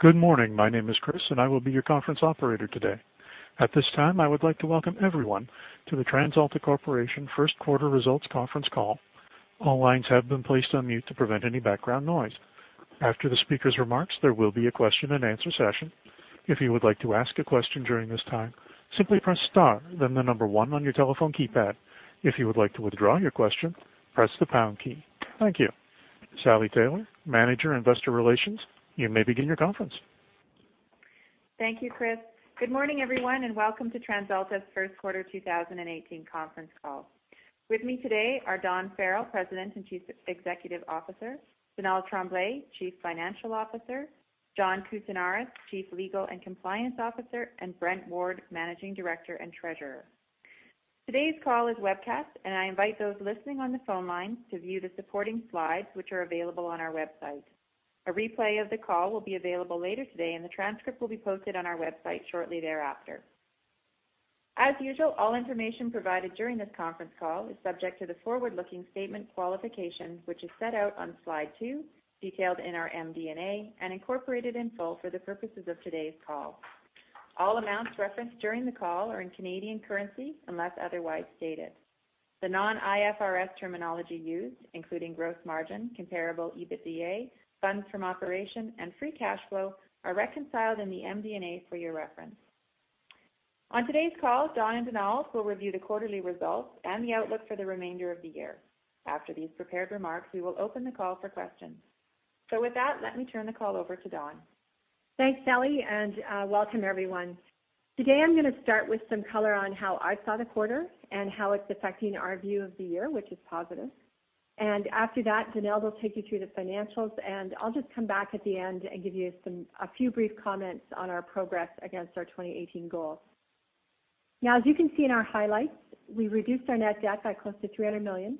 Good morning. My name is Chris, and I will be your conference operator today. At this time, I would like to welcome everyone to the TransAlta Corporation First Quarter Results Conference Call. All lines have been placed on mute to prevent any background noise. After the speaker's remarks, there will be a question and answer session. If you would like to ask a question during this time, simply press star then the number 1 on your telephone keypad. If you would like to withdraw your question, press the pound key. Thank you. Sally Taylor, Manager, Investor Relations, you may begin your conference. Thank you, Chris. Good morning, everyone, and welcome to TransAlta's First Quarter 2018 conference call. With me today are Dawn Farrell, President and Chief Executive Officer, Donald Tremblay, Chief Financial Officer, John Kousinioris, Chief Legal and Compliance Officer, and Brent Ward, Managing Director and Treasurer. Today's call is webcast, and I invite those listening on the phone line to view the supporting slides which are available on our website. A replay of the call will be available later today, and the transcript will be posted on our website shortly thereafter. As usual, all information provided during this conference call is subject to the forward-looking statement qualification, which is set out on slide two, detailed in our MD&A, and incorporated in full for the purposes of today's call. All amounts referenced during the call are in Canadian currency unless otherwise stated. The non-IFRS terminology used, including gross margin, comparable EBITDA, funds from operation, and free cash flow, are reconciled in the MD&A for your reference. On today's call, Dawn and Donald will review the quarterly results and the outlook for the remainder of the year. After these prepared remarks, we will open the call for questions. With that, let me turn the call over to Dawn. Thanks, Sally, and welcome everyone. Today, I'm going to start with some color on how I saw the quarter and how it's affecting our view of the year, which is positive. After that, Donald will take you through the financials, and I'll just come back at the end and give you a few brief comments on our progress against our 2018 goals. As you can see in our highlights, we reduced our net debt by close to 300 million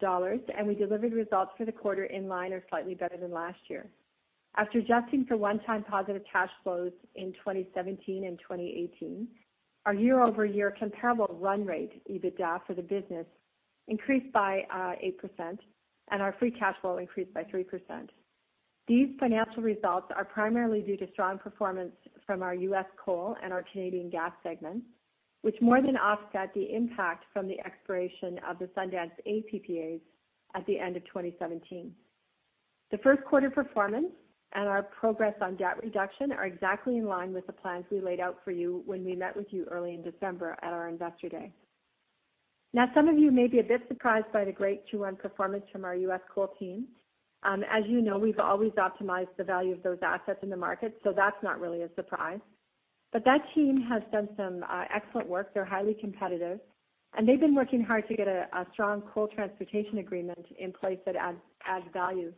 dollars, and we delivered results for the quarter in line or slightly better than last year. After adjusting for one-time positive cash flows in 2017 and 2018, our year-over-year comparable run rate, EBITDA for the business increased by 8%, and our free cash flow increased by 3%. These financial results are primarily due to strong performance from our U.S. coal and our Canadian gas segments, which more than offset the impact from the expiration of the Sundance A PPAs at the end of 2017. The first quarter performance and our progress on debt reduction are exactly in line with the plans we laid out for you when we met with you early in December at our Investor Day. Some of you may be a bit surprised by the great Q1 performance from our U.S. coal team. As you know, we've always optimized the value of those assets in the market, that's not really a surprise. That team has done some excellent work. They're highly competitive, they've been working hard to get a strong coal transportation agreement in place that adds value.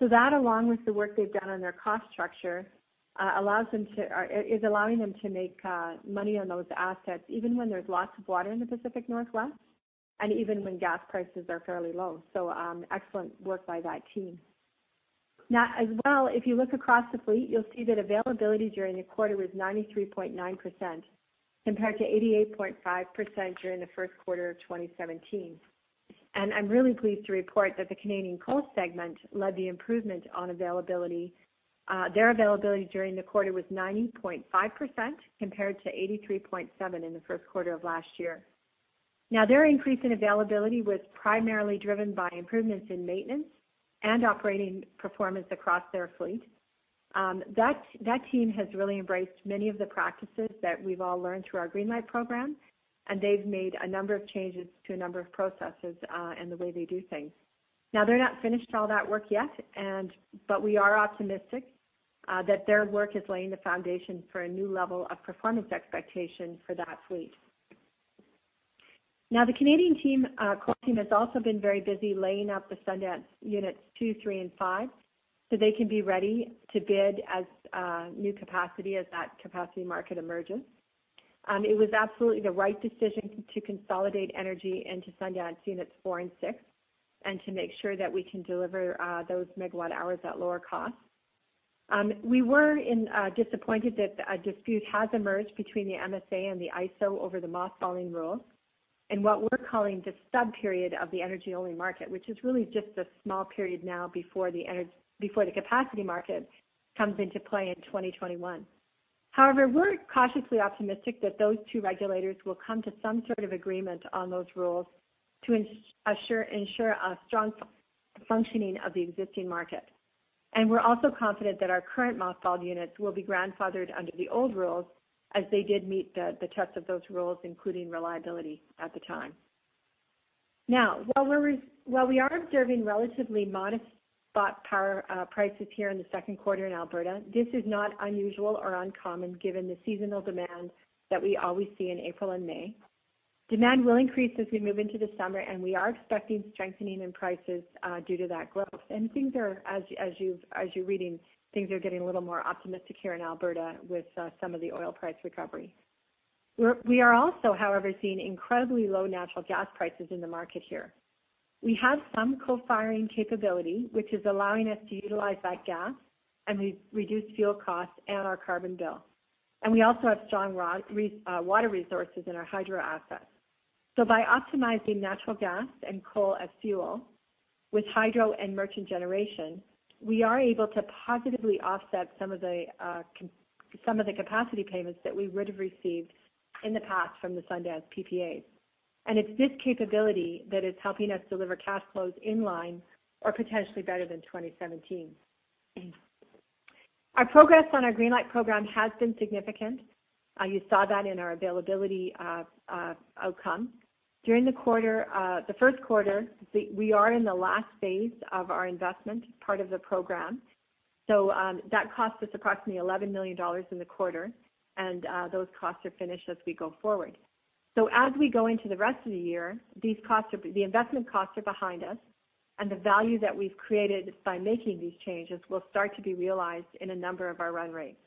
That, along with the work they've done on their cost structure, is allowing them to make money on those assets even when there's lots of water in the Pacific Northwest and even when gas prices are fairly low. Excellent work by that team. As well, if you look across the fleet, you'll see that availability during the quarter was 93.9% compared to 88.5% during the first quarter of 2017. I'm really pleased to report that the Canadian coal segment led the improvement on availability. Their availability during the quarter was 90.5% compared to 83.7% in the first quarter of last year. Their increase in availability was primarily driven by improvements in maintenance and operating performance across their fleet. That team has really embraced many of the practices that we've all learned through our Greenlight program, they've made a number of changes to a number of processes, and the way they do things. They're not finished all that work yet, we are optimistic that their work is laying the foundation for a new level of performance expectation for that fleet. The Canadian coal team has also been very busy laying out the Sundance units 2, 3, and 5, so they can be ready to bid as new capacity as that capacity market emerges. It was absolutely the right decision to consolidate energy into Sundance units 4 and 6 and to make sure that we can deliver those megawatt hours at lower cost. We were disappointed that a dispute has emerged between the MSA and the ISO over the mothballing rules and what we're calling the stub period of the energy-only market, which is really just a small period now before the capacity market comes into play in 2021. We're cautiously optimistic that those two regulators will come to some sort of agreement on those rules to ensure a strong functioning of the existing market. We're also confident that our current mothballed units will be grandfathered under the old rules as they did meet the test of those rules, including reliability at the time. While we are observing relatively modest spot power prices here in the second quarter in Alberta, this is not unusual or uncommon given the seasonal demand that we always see in April and May. Demand will increase as we move into the summer. We are expecting strengthening in prices due to that growth. Things are, as you're reading, things are getting a little more optimistic here in Alberta with some of the oil price recovery. We are also, however, seeing incredibly low natural gas prices in the market here. We have some co-firing capability, which is allowing us to utilize that gas and reduce fuel costs and our carbon bill. We also have strong water resources in our hydro assets. By optimizing natural gas and coal as fuel with hydro and merchant generation, we are able to positively offset some of the capacity payments that we would have received in the past from the Sundance PPAs. It's this capability that is helping us deliver cash flows in line or potentially better than 2017. Our progress on our Greenlight program has been significant. You saw that in our availability outcome. During the first quarter, we are in the last phase of our investment part of the program. That cost us approximately 11 million dollars in the quarter. Those costs are finished as we go forward. As we go into the rest of the year, the investment costs are behind us. The value that we've created by making these changes will start to be realized in a number of our run rates.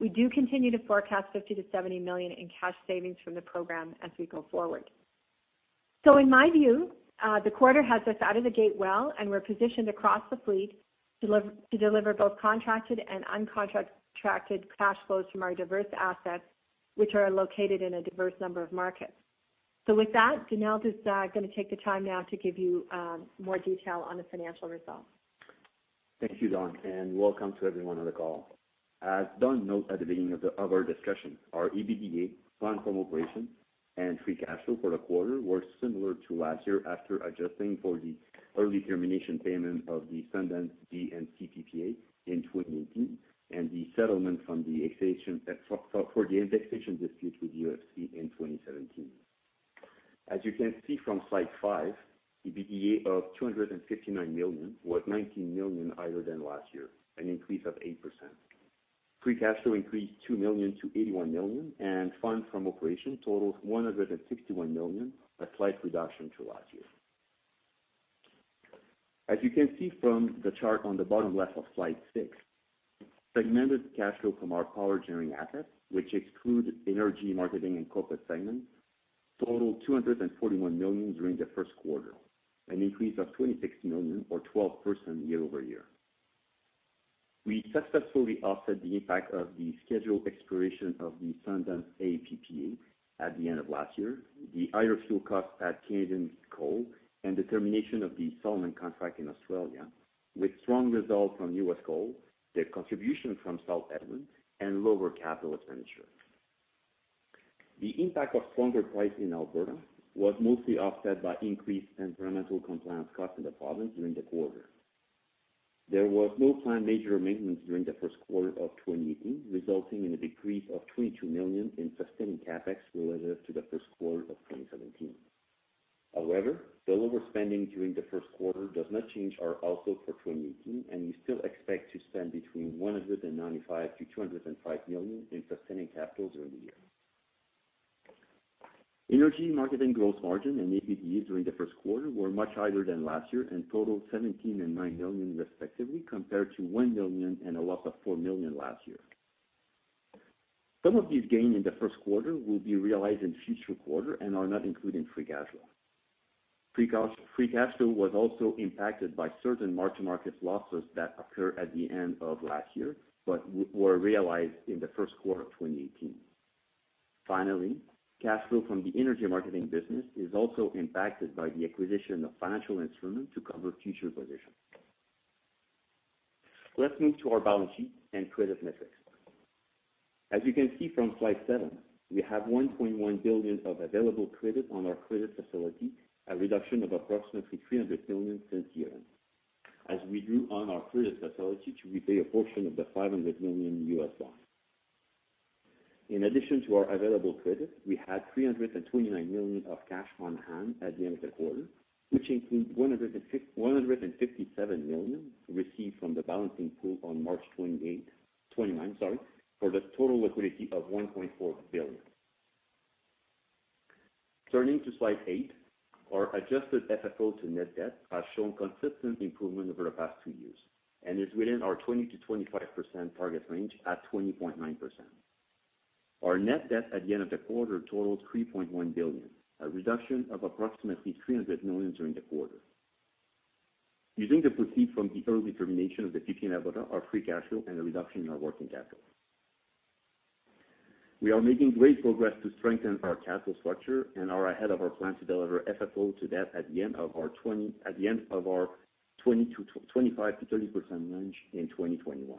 We do continue to forecast 50 million to 70 million in cash savings from the program as we go forward. In my view, the quarter has us out of the gate well. We're positioned across the fleet to deliver both contracted and uncontracted cash flows from our diverse assets, which are located in a diverse number of markets. With that, Donald is going to take the time now to give you more detail on the financial results. Thank you, Dawn. Welcome to everyone on the call. As Dawn noted at the beginning of our discussion, our EBITDA, funds from operation, and free cash flow for the quarter were similar to last year after adjusting for the early termination payment of the Sundance D and C PPA in 2018 and the settlement for the indexation dispute with U of C in 2017. As you can see from slide five, the EBITDA of 259 million was 19 million higher than last year, an increase of 8%. Free cash flow increased 2 million to 81 million. Funds from operation totaled 161 million, a slight reduction to last year. As you can see from the chart on the bottom left of slide six, segmented cash flow from our power generating assets, which exclude energy marketing and corporate segments, totaled 241 million during the first quarter, an increase of 26 million or 12% year-over-year. We successfully offset the impact of the scheduled expiration of the Sundance A PPA at the end of last year, the higher fuel costs at Canadian coal, and the termination of the Solomon contract in Australia, with strong results from U.S. coal, the contribution from South Edmonton, and lower capital expenditures. The impact of stronger prices in Alberta was mostly offset by increased environmental compliance costs in the province during the quarter. There was no planned major maintenance during the first quarter of 2018, resulting in a decrease of 22 million in sustaining CapEx relative to the first quarter of 2017. However, the lower spending during the first quarter does not change our outlook for 2018, and we still expect to spend between 195 million-205 million in sustaining capital during the year. Energy marketing gross margin and EBITDA during the first quarter were much higher than last year and totaled 17 million and 9 million respectively, compared to 1 million and a loss of 4 million last year. Some of these gains in the first quarter will be realized in future quarters and are not included in free cash flow. Free cash flow was also impacted by certain mark-to-market losses that occurred at the end of last year, but were realized in the first quarter of 2018. Finally, cash flow from the energy marketing business is also impacted by the acquisition of financial instruments to cover future positions. Let's move to our balance sheet and credit metrics. As you can see from slide seven, we have 1.1 billion of available credit on our credit facility, a reduction of approximately 300 million since year-end, as we drew on our credit facility to repay a portion of the $500 million U.S. loan. In addition to our available credit, we had 329 million of cash on hand at the end of the quarter, which includes 157 million received from the Balancing Pool on March 29th, for the total liquidity of 1.4 billion. Turning to slide eight, our adjusted FFO to net debt has shown consistent improvement over the past two years and is within our 20%-25% target range at 20.9%. Our net debt at the end of the quarter totaled 3.1 billion, a reduction of approximately 300 million during the quarter. Using the proceeds from the early termination of the PPA in Alberta, our free cash flow, and a reduction in our working capital. We are making great progress to strengthen our capital structure and are ahead of our plan to deliver FFO to debt at the end of our 25%-30% range in 2021.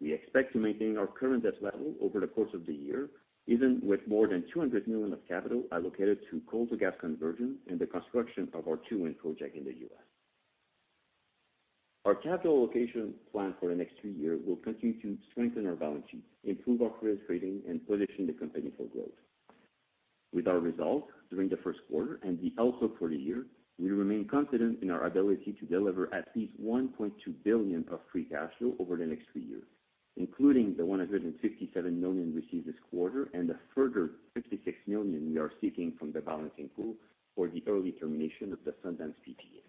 We expect to maintain our current debt level over the course of the year, even with more than 200 million of capital allocated to coal to gas conversion and the construction of our Tuwin project in the U.S. Our capital allocation plan for the next three years will continue to strengthen our balance sheet, improve our credit rating, and position the Company for growth. With our results during the first quarter and the outlook for the year, we remain confident in our ability to deliver at least 1.2 billion of free cash flow over the next three years, including the 157 million received this quarter and a further 56 million we are seeking from the Balancing Pool for the early termination of the Sundance PPA.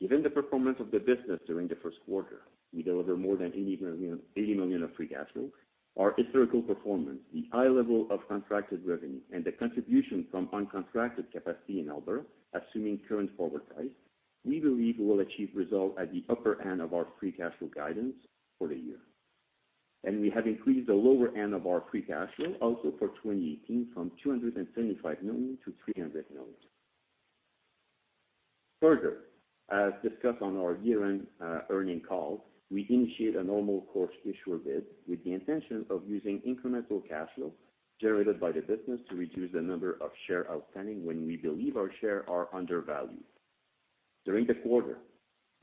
Given the performance of the business during the first quarter, we delivered more than 80 million of free cash flow. Our historical performance, the high level of contracted revenue, and the contribution from uncontracted capacity in Alberta, assuming current forward price, we believe we will achieve results at the upper end of our free cash flow guidance for the year. We have increased the lower end of our free cash flow also for 2018 from 275 million to 300 million. Further, as discussed on our year-end earning call, we initiate a normal course issuer bid with the intention of using incremental cash flow generated by the business to reduce the number of share outstanding when we believe our share are undervalued. During the quarter,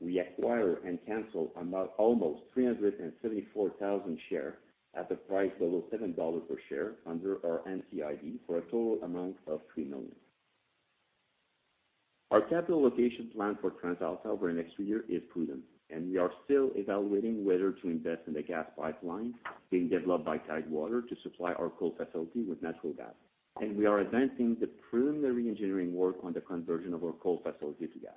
we acquire and cancel almost 374,000 share at the price below 7 dollars per share under our NCIB for a total amount of 3 million. Our capital allocation plan for TransAlta over the next few year is prudent, we are still evaluating whether to invest in the gas pipeline being developed by Tidewater to supply our coal facility with natural gas. We are advancing the preliminary engineering work on the conversion of our coal facility to gas.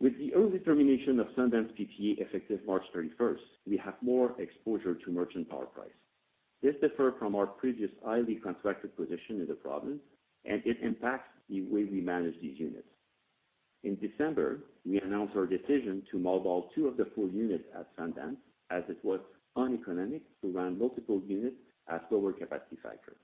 With the early termination of Sundance PPA effective March 31st, we have more exposure to merchant power price. This differ from our previous highly contracted position in the province, it impacts the way we manage these units. In December, we announced our decision to mothball two of the four units at Sundance, as it was uneconomic to run multiple units at lower capacity factor.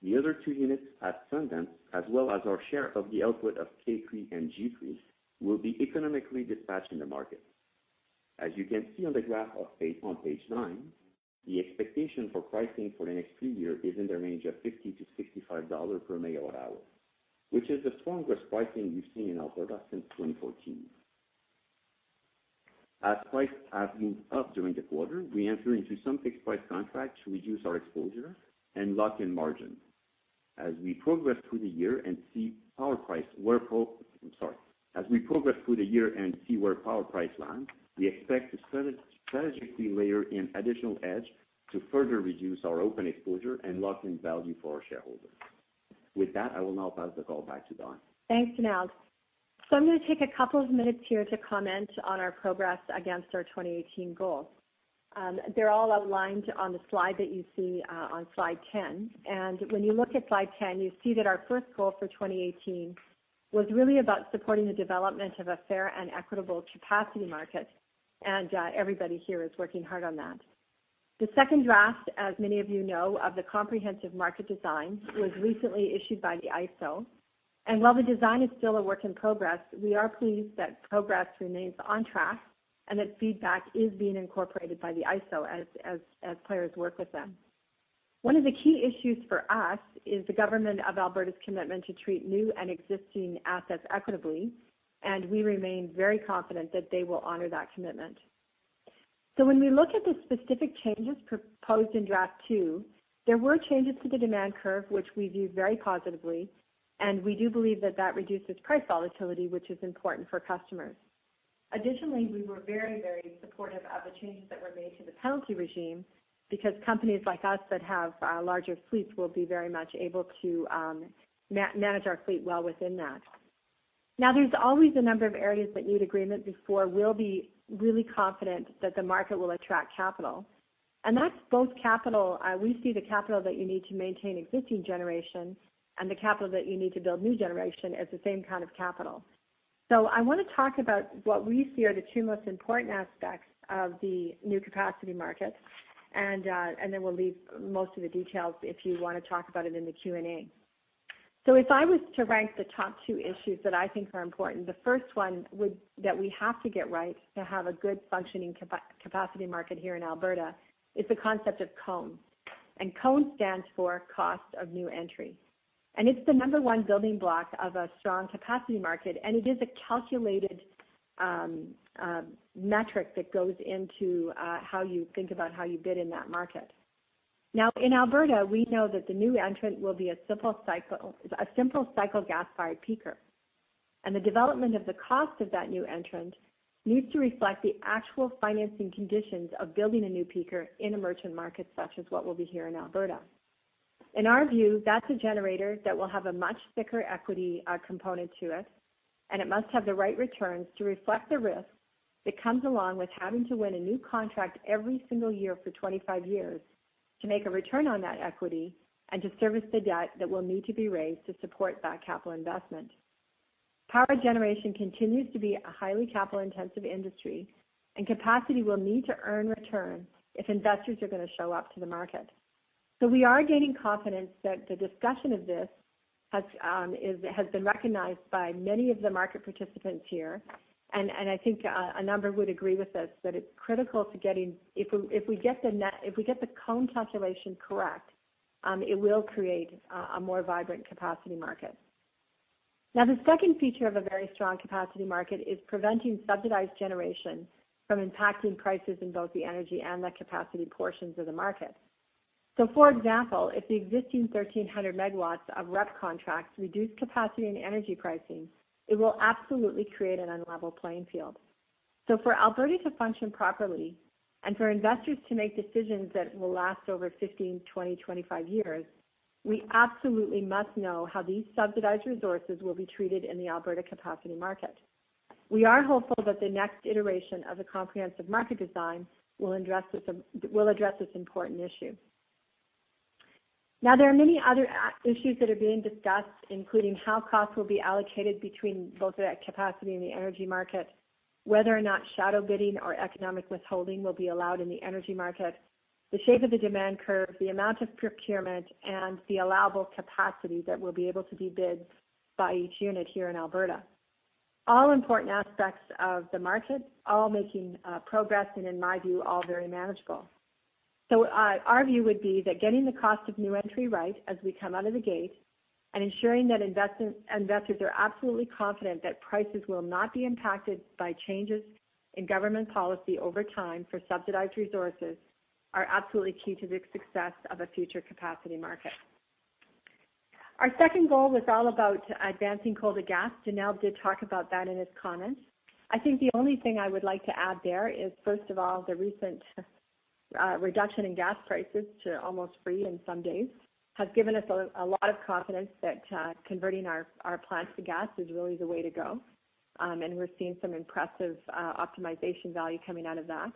The other two units at Sundance, as well as our share of the output of K3 and G3, will be economically dispatched in the market. As you can see on the graph on page nine, the expectation for pricing for the next three year is in the range of 50 to 65 dollars per megawatt hour, which is the strongest pricing we've seen in Alberta since 2014. As price has moved up during the quarter, we enter into some fixed-price contracts to reduce our exposure and lock in margin. As we progress through the year and see where power price land, we expect to strategically layer in additional hedge to further reduce our open exposure and lock in value for our shareholders. With that, I will now pass the call back to Dawn. Thanks, Donald. I'm going to take a couple of minutes here to comment on our progress against our 2018 goals. They're all outlined on the slide that you see on slide 10. When you look at slide 10, you see that our first goal for 2018 was really about supporting the development of a fair and equitable capacity market, and everybody here is working hard on that. The second draft, as many of you know, of the Comprehensive Market Design, was recently issued by the ISO. While the design is still a work in progress, we are pleased that progress remains on track and that feedback is being incorporated by the ISO as players work with them. One of the key issues for us is the Government of Alberta's commitment to treat new and existing assets equitably, and we remain very confident that they will honor that commitment. When we look at the specific changes proposed in draft two, there were changes to the demand curve, which we view very positively, and we do believe that that reduces price volatility, which is important for customers. Additionally, we were very, very supportive of the changes that were made to the penalty regime because companies like us that have larger fleets will be very much able to manage our fleet well within that. There's always a number of areas that need agreement before we'll be really confident that the market will attract capital. That's both capital We see the capital that you need to maintain existing generation and the capital that you need to build new generation as the same kind of capital. I want to talk about what we see are the two most important aspects of the new capacity market, and then we'll leave most of the details if you want to talk about it in the Q&A. If I was to rank the top two issues that I think are important, the first one that we have to get right to have a good functioning capacity market here in Alberta is the concept of CONE. CONE stands for Cost of New Entry. It's the number-one building block of a strong capacity market, and it is a calculated metric that goes into how you think about how you bid in that market. In Alberta, we know that the new entrant will be a simple cycle gas-fired peaker. The development of the cost of that new entrant needs to reflect the actual financing conditions of building a new peaker in a merchant market such as what will be here in Alberta. In our view, that's a generator that will have a much thicker equity component to it, and it must have the right returns to reflect the risk that comes along with having to win a new contract every single year for 25 years to make a return on that equity and to service the debt that will need to be raised to support that capital investment. Power generation continues to be a highly capital-intensive industry, and capacity will need to earn return if investors are going to show up to the market. We are gaining confidence that the discussion of this has been recognized by many of the market participants here, and I think a number would agree with this, that if we get the CONE calculation correct, it will create a more vibrant capacity market. The second feature of a very strong capacity market is preventing subsidized generation from impacting prices in both the energy and the capacity portions of the market. For example, if the existing 1,300 MW of REP contracts reduce capacity and energy pricing, it will absolutely create an unlevel playing field. For Alberta to function properly and for investors to make decisions that will last over 15, 20, 25 years, we absolutely must know how these subsidized resources will be treated in the Alberta capacity market. We are hopeful that the next iteration of the Comprehensive Market Design will address this important issue. There are many other issues that are being discussed, including how costs will be allocated between both the capacity and the energy market, whether or not shadow bidding or economic withholding will be allowed in the energy market, the shape of the demand curve, the amount of procurement, and the allowable capacity that will be able to be bid by each unit here in Alberta. All important aspects of the market, all making progress, and in my view, all very manageable. Our view would be that getting the cost of new entry right as we come out of the gate and ensuring that investors are absolutely confident that prices will not be impacted by changes in government policy over time for subsidized resources are absolutely key to the success of a future capacity market. Our second goal was all about advancing coal to gas. Donald did talk about that in his comments. I think the only thing I would like to add there is, first of all, the recent reduction in gas prices to almost free on some days has given us a lot of confidence that converting our plants to gas is really the way to go. We're seeing some impressive optimization value coming out of that.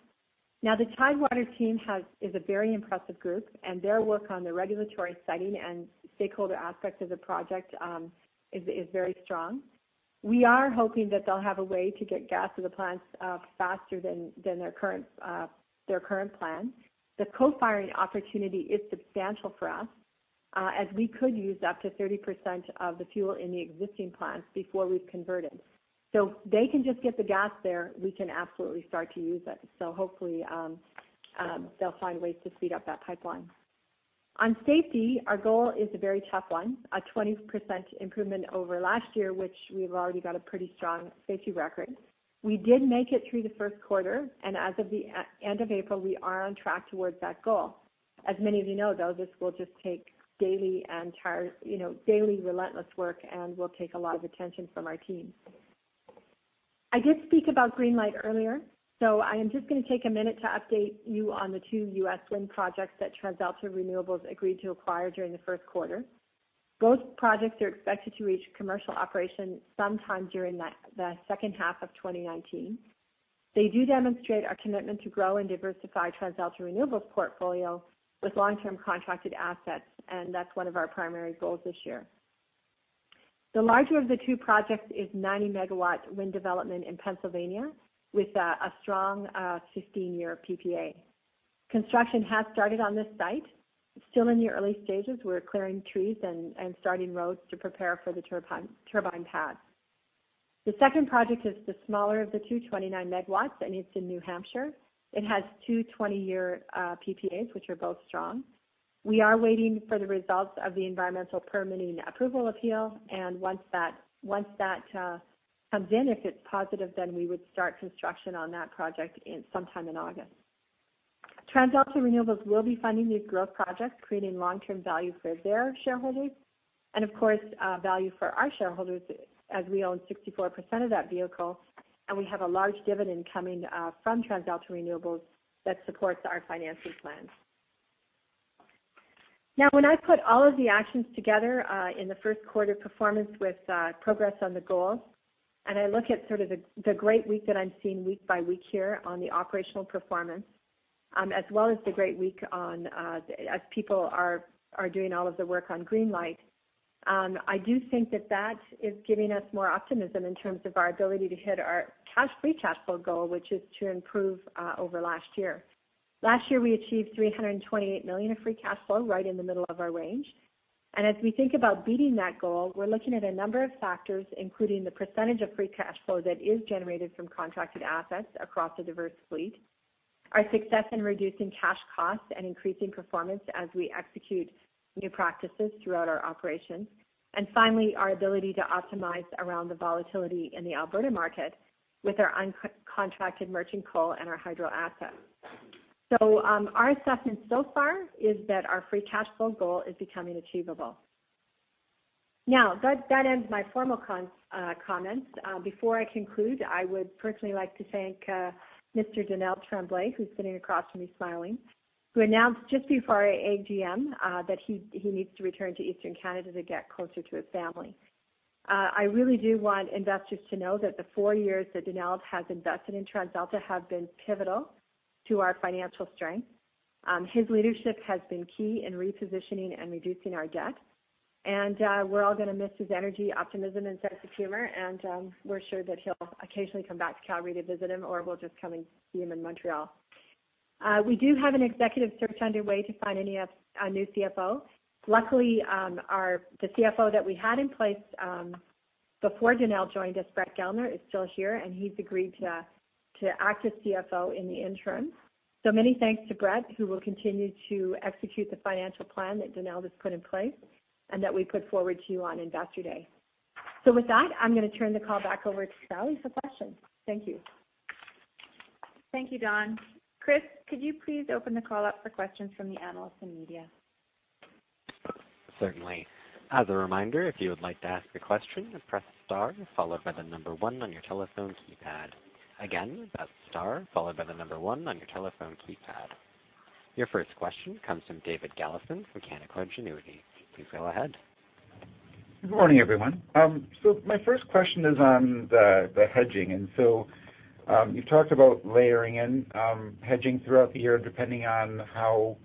The Tidewater team is a very impressive group, and their work on the regulatory setting and stakeholder aspect of the project is very strong. We are hoping that they'll have a way to get gas to the plants faster than their current plan. The co-firing opportunity is substantial for us, as we could use up to 30% of the fuel in the existing plants before we've converted. If they can just get the gas there, we can absolutely start to use it. Hopefully, they'll find ways to speed up that pipeline. On safety, our goal is a very tough one, a 20% improvement over last year, which we've already got a pretty strong safety record. We did make it through the first quarter, and as of the end of April, we are on track towards that goal. As many of you know, though, this will just take daily relentless work and will take a lot of attention from our teams. I did speak about Greenlight earlier, I am just going to take a minute to update you on the two U.S. wind projects that TransAlta Renewables agreed to acquire during the first quarter. Both projects are expected to reach commercial operation sometime during the second half of 2019. They do demonstrate our commitment to grow and diversify TransAlta Renewables' portfolio with long-term contracted assets, that's one of our primary goals this year. The larger of the two projects is a 90-megawatt wind development in Pennsylvania with a strong 15-year PPA. Construction has started on this site. It's still in the early stages. We're clearing trees and starting roads to prepare for the turbine pads. The second project is the smaller of the two, 29 megawatts, it's in New Hampshire. It has two 20-year PPAs, which are both strong. We are waiting for the results of the environmental permitting approval appeal, once that comes in, if it's positive, we would start construction on that project sometime in August. TransAlta Renewables will be funding these growth projects, creating long-term value for their shareholders. Of course, value for our shareholders as we own 64% of that vehicle, we have a large dividend coming from TransAlta Renewables that supports our financing plan. When I put all of the actions together in the first quarter performance with progress on the goals, I look at sort of the great week that I'm seeing week by week here on the operational performance, as well as the great week as people are doing all of the work on Greenlight. I do think that that is giving us more optimism in terms of our ability to hit our free cash flow goal, which is to improve over last year. Last year, we achieved 328 million of free cash flow right in the middle of our range. As we think about beating that goal, we're looking at a number of factors, including the percentage of free cash flow that is generated from contracted assets across a diverse fleet, our success in reducing cash costs and increasing performance as we execute new practices throughout our operations, finally, our ability to optimize around the volatility in the Alberta market with our uncontracted merchant coal and our hydro assets. Our assessment so far is that our free cash flow goal is becoming achievable. That ends my formal comments. Before I conclude, I would personally like to thank Mr. Donald Tremblay, who's sitting across from me smiling, who announced just before our AGM that he needs to return to Eastern Canada to get closer to his family. I really do want investors to know that the 4 years that Donald has invested in TransAlta have been pivotal to our financial strength. His leadership has been key in repositioning and reducing our debt. We're all going to miss his energy, optimism, and sense of humor. We're sure that he'll occasionally come back to Calgary to visit him, or we'll just come and see him in Montreal. We do have an executive search underway to find a new CFO. Luckily, the CFO that we had in place before Donald joined us, Bret Gellner, is still here, he's agreed to act as CFO in the interim. Many thanks to Brett, who will continue to execute the financial plan that Donald has put in place and that we put forward to you on Investor Day. With that, I'm going to turn the call back over to Sally for questions. Thank you. Thank you, Dawn. Chris, could you please open the call up for questions from the analysts and media? Certainly. As a reminder, if you would like to ask a question, press star followed by the number one on your telephone keypad. Again, that's star followed by the number one on your telephone keypad. Your first question comes from David Galison from Canaccord Genuity. Please go ahead. Good morning, everyone. My first question is on the hedging. You've talked about layering in hedging throughout the year, depending on how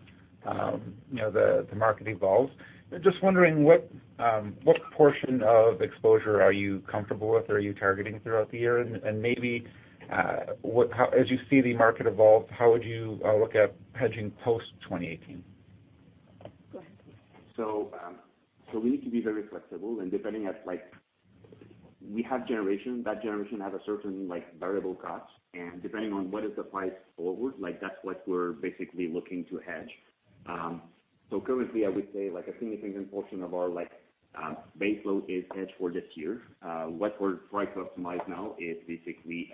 the market evolves. I'm just wondering what portion of exposure are you comfortable with or are you targeting throughout the year? Maybe as you see the market evolve, how would you look at hedging post 2018? Go ahead. We need to be very flexible and depending. We have generation, that generation has a certain variable cost, and depending on what is the price forward, that's what we're basically looking to hedge. Currently, I would say, a significant portion of our base load is hedged for this year. What we're trying to optimize now is basically,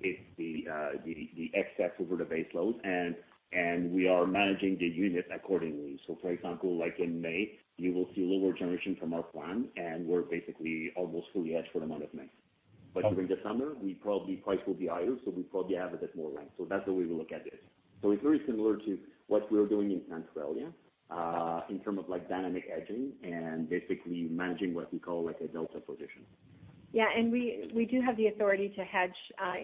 it's the excess over the base load, and we are managing the unit accordingly. For example, like in May, you will see lower generation from our plant, and we're basically almost fully hedged for the month of May. During the summer, we probably price will be higher, we probably have a bit more length. That's the way we look at it. It's very similar to what we're doing in Centralia, in term of dynamic hedging and basically managing what we call a delta position. Yeah. We do have the authority to hedge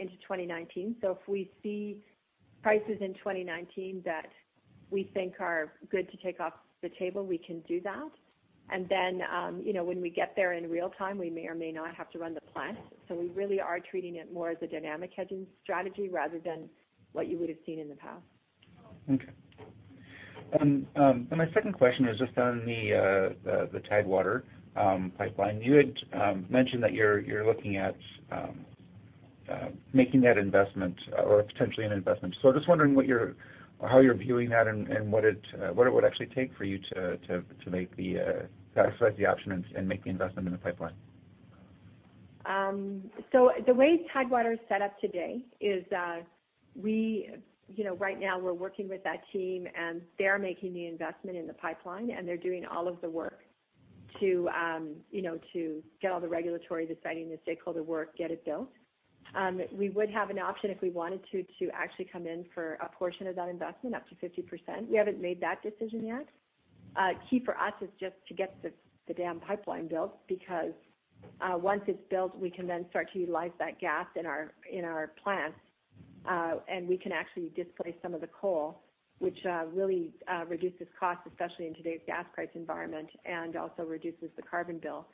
into 2019. If we see prices in 2019 that we think are good to take off the table, we can do that. When we get there in real time, we may or may not have to run the plant. We really are treating it more as a dynamic hedging strategy rather than what you would have seen in the past. Okay. My second question is just on the Tidewater pipeline. You had mentioned that you're looking at making that investment or potentially an investment. Just wondering how you're viewing that and what it would actually take for you to exercise the option and make the investment in the pipeline. The way Tidewater is set up today is, right now we're working with that team, and they're making the investment in the pipeline, and they're doing all of the work to get all the regulatory deciding, the stakeholder work, get it built. We would have an option if we wanted to actually come in for a portion of that investment, up to 50%. We haven't made that decision yet. Key for us is just to get the damn pipeline built, because, once it's built, we can then start to utilize that gas in our plants. We can actually displace some of the coal, which really reduces cost, especially in today's gas price environment, and also reduces the carbon bill.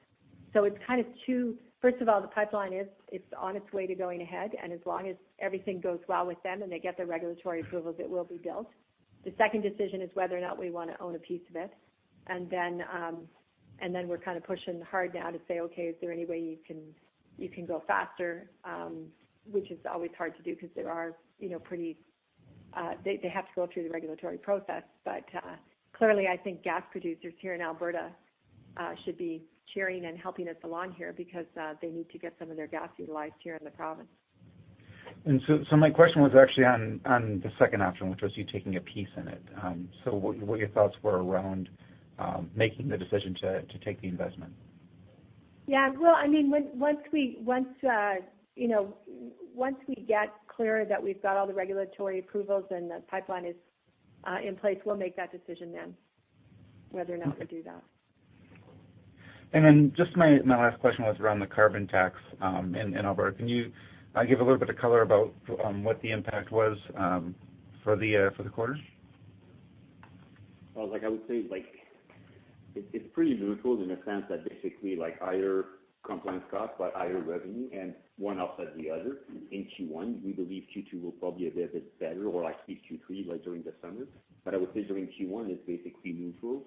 It's kind of two. First of all, the pipeline is on its way to going ahead, and as long as everything goes well with them and they get their regulatory approvals, it will be built. The second decision is whether or not we want to own a piece of it. We're kind of pushing hard now to say, okay, is there any way you can go faster? Which is always hard to do because they have to go through the regulatory process. Clearly, I think gas producers here in Alberta should be cheering and helping us along here because they need to get some of their gas utilized here in the province. My question was actually on the second option, which was you taking a piece in it. What your thoughts were around making the decision to take the investment? Yeah. Well, once we get clear that we've got all the regulatory approvals and the pipeline is in place, we'll make that decision then whether or not we do that. My last question was around the carbon tax in Alberta. Can you give a little bit of color about what the impact was for the quarter? I would say it's pretty neutral in a sense that basically higher compliance cost, but higher revenue and one offsets the other in Q1. We believe Q2 will probably a little bit better or at least Q3, during the summer. I would say during Q1, it's basically neutral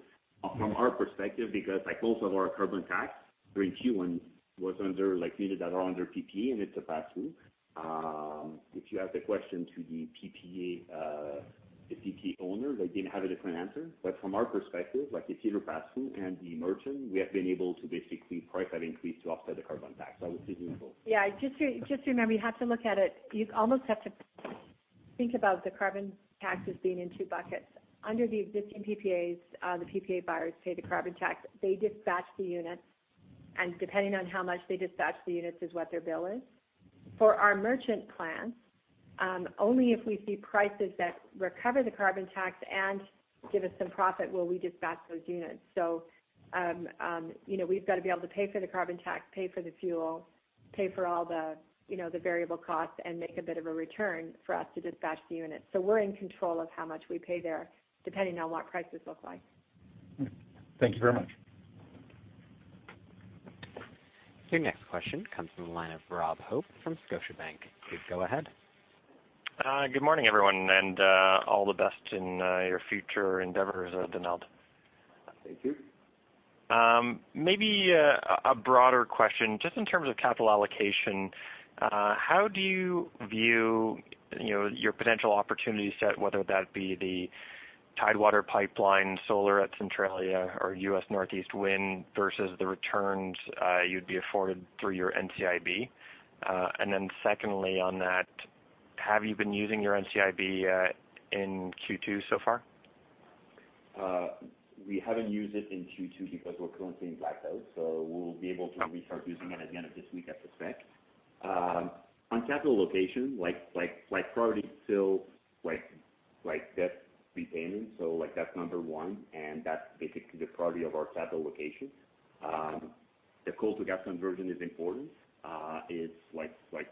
from our perspective, because most of our carbon tax during Q1 was under PPA, and it's a pass-through. If you ask the question to the PPA owner, they're going to have a different answer. From our perspective, if you're a pass-through and the merchant, we have been able to basically price that increase to offset the carbon tax. I would say neutral. Just remember, you have to look at it. You almost have to think about the carbon tax as being in two buckets. Under the existing PPAs, the PPA buyers pay the carbon tax. They dispatch the units, and depending on how much they dispatch the units is what their bill is. For our merchant plants, only if we see prices that recover the carbon tax and give us some profit will we dispatch those units. We've got to be able to pay for the carbon tax, pay for the fuel, pay for all the variable costs and make a bit of a return for us to dispatch the units. We're in control of how much we pay there depending on what prices look like. Thank you very much. Your next question comes from the line of Robert Hope from Scotiabank. Please go ahead. Good morning, everyone, and all the best in your future endeavors, Donald. Thank you. Maybe a broader question, just in terms of capital allocation. How do you view your potential opportunity set, whether that be the Tidewater pipeline, solar at Centralia, or U.S. Northeast wind versus the returns you'd be afforded through your NCIB? Secondly on that, have you been using your NCIB in Q2 so far? We haven't used it in Q2 because we're currently in blackout, so we'll be able to restart using it at the end of this week, I suspect. On capital allocation, priority still like debt repayment. That's number one, and that's basically the priority of our capital allocation. The coal to gas conversion is important.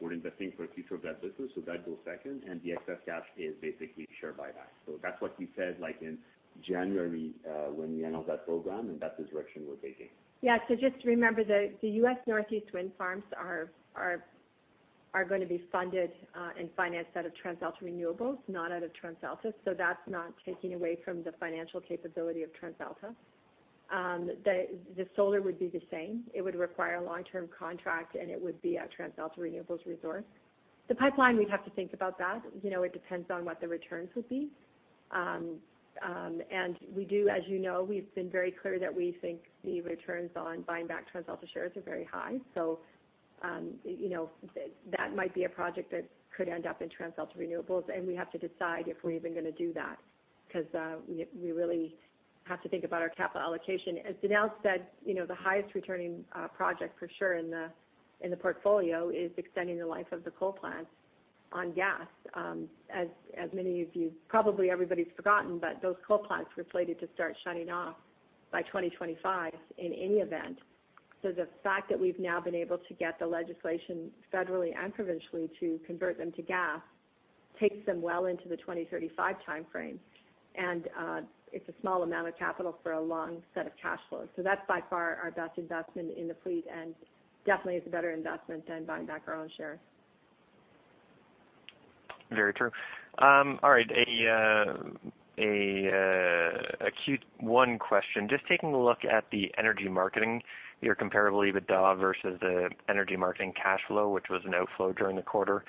We're investing for the future of that business, so that goes second, and the excess cash is basically share buyback. That's what we said in January, when we announced that program, and that's the direction we're taking. Yeah. Just remember the U.S. Northeast wind farms are going to be funded and financed out of TransAlta Renewables, not out of TransAlta. That's not taking away from the financial capability of TransAlta. The solar would be the same. It would require a long-term contract, and it would be a TransAlta Renewables resource. The pipeline, we'd have to think about that. It depends on what the returns would be. As you know, we've been very clear that we think the returns on buying back TransAlta shares are very high. That might be a project that could end up in TransAlta Renewables, and we have to decide if we're even going to do that, because we really have to think about our capital allocation. As Donald said, the highest returning project for sure in the portfolio is extending the life of the coal plants on gas. Probably everybody's forgotten, but those coal plants were slated to start shutting off by 2025, in any event. The fact that we've now been able to get the legislation federally and provincially to convert them to gas takes them well into the 2035 timeframe. It's a small amount of capital for a long set of cash flows. That's by far our best investment in the fleet and definitely is a better investment than buying back our own shares. Very true. All right. A Q1 question. Just taking a look at the energy marketing, your comparable EBITDA versus the energy marketing cash flow, which was an outflow during the quarter.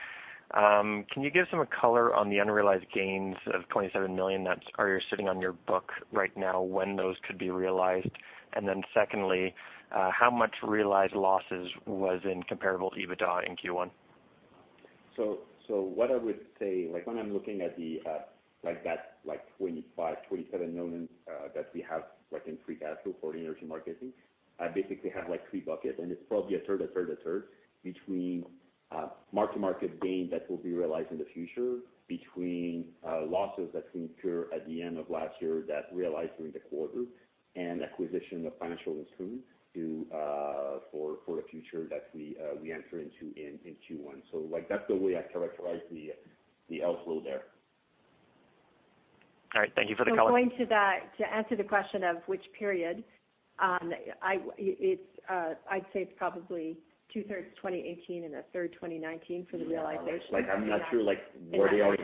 Can you give some color on the unrealized gains of 27 million that are sitting on your book right now, when those could be realized? Then secondly, how much realized losses was in comparable EBITDA in Q1? What I would say, when I'm looking at the 25 million, 27 million that we have in free cash flow for energy marketing, I basically have three buckets. It's probably a third, a third, a third, between mark-to-market gain that will be realized in the future. Between losses that we incurred at the end of last year that realized during the quarter. Acquisition of financial instruments for the future that we enter into in Q1. That's the way I characterize the outflow there. All right. Thank you for the color. Going to that, to answer the question of which period, I'd say it's probably two-thirds 2018 and a third 2019 for the realization. Yeah. I'm not sure where they are.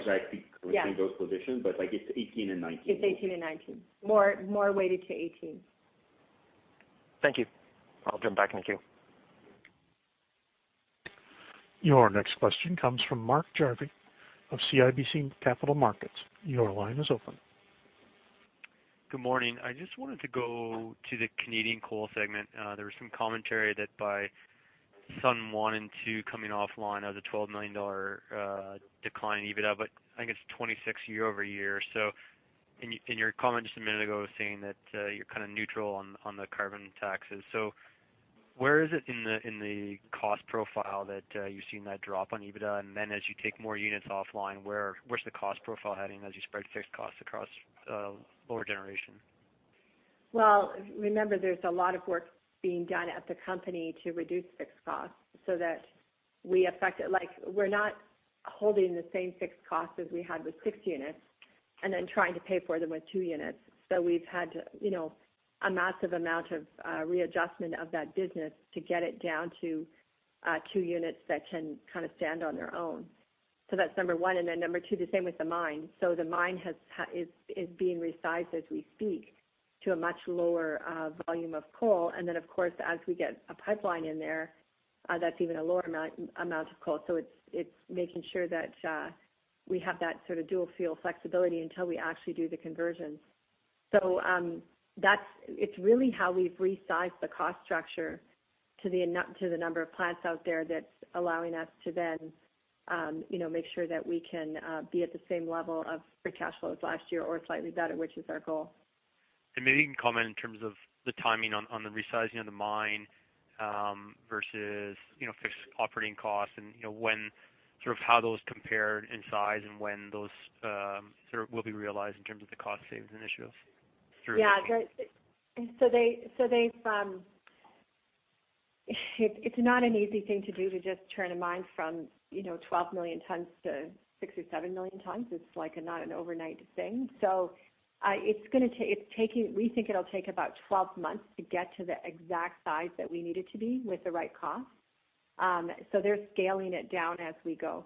Yeah between those positions, it's 2018 and 2019. It's 2018 and 2019. More weighted to 2018. Thank you. I'll jump back in the queue. Your next question comes from Mark Jarvi of CIBC Capital Markets. Your line is open. Good morning. I just wanted to go to the Canadian coal segment. There was some commentary that by Sundance 1 and 2 coming offline as a 12 million dollar decline in EBITDA, I think it's 26 million year-over-year. In your comment just a minute ago, saying that you're kind of neutral on the carbon taxes. Where is it in the cost profile that you're seeing that drop on EBITDA? As you take more units offline, where's the cost profile heading as you spread fixed costs across lower generation? Well, remember there's a lot of work being done at the company to reduce fixed costs. We're not holding the same fixed costs as we had with six units and then trying to pay for them with two units. We've had a massive amount of readjustment of that business to get it down to two units that can kind of stand on their own. That's number 1. Number 2, the same with the mine. The mine is being resized as we speak to a much lower volume of coal. Of course, as we get a pipeline in there, that's even a lower amount of coal. It's making sure that we have that sort of dual-fuel flexibility until we actually do the conversion. It's really how we've resized the cost structure to the number of plants out there that's allowing us to then make sure that we can be at the same level of free cash flows last year or slightly better, which is our goal. Maybe you can comment in terms of the timing on the resizing of the mine versus fixed operating costs and how those compare in size and when those will be realized in terms of the cost savings initiatives. Yeah. It's not an easy thing to do to just turn a mine from 12 million tons to six or seven million tons. It's not an overnight thing. We think it'll take about 12 months to get to the exact size that we need it to be with the right cost. They're scaling it down as we go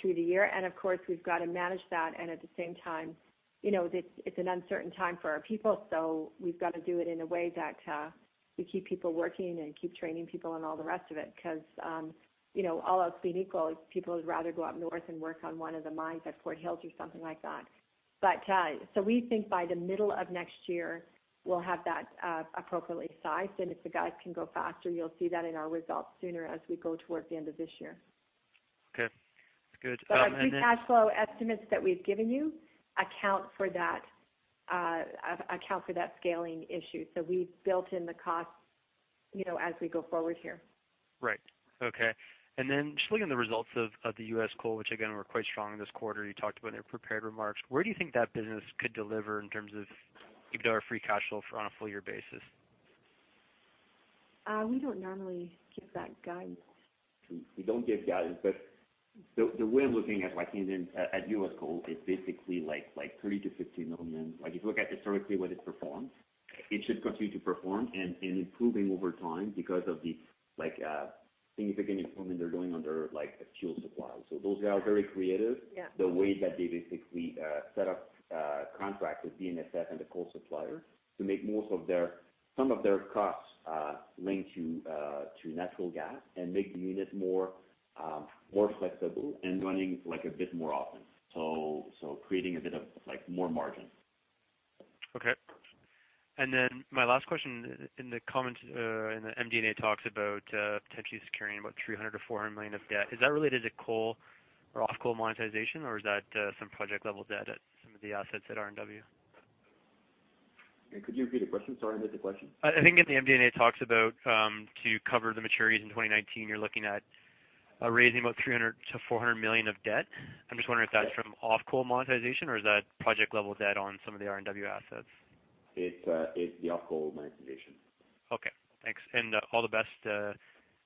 through the year. Of course, we've got to manage that, and at the same time, it's an uncertain time for our people, so we've got to do it in a way that we keep people working and keep training people and all the rest of it, because all else being equal, people would rather go up north and work on one of the mines at Fort Hills or something like that. We think by the middle of next year, we'll have that appropriately sized. If the guys can go faster, you'll see that in our results sooner as we go toward the end of this year. Okay, good. Our free cash flow estimates that we've given you account for that scaling issue. We've built in the cost As we go forward here. Right. Okay. Then just looking at the results of the U.S. Coal, which again, were quite strong this quarter, you talked about in your prepared remarks, where do you think that business could deliver in terms of EBITDA or free cash flow for on a full year basis? We don't normally give that guidance. We don't give guidance, the way I'm looking at U.S. Coal is basically like 30 million-50 million. If you look at historically what it performed, it should continue to perform and improving over time because of the significant improvement they're doing on their fuel supply. Those are very creative. Yeah. The way that they basically set up contracts with BNSF and the coal supplier to make some of their costs linked to natural gas and make the unit more flexible and running a bit more often. Creating a bit of more margin. Okay. Then my last question in the comments, in the MD&A talks about TransAlta carrying about 300 million-400 million of debt. Is that related to coal or Offtake monetization, or is that some project-level debt at some of the assets at RNW? Could you repeat the question? Sorry, I missed the question. I think in the MD&A talks about to cover the maturities in 2019, you're looking at raising about 300 million-400 million of debt. I'm just wondering if that's from Offtake monetization or is that project-level debt on some of the RNW assets? It's the Offtake monetization. Okay, thanks. All the best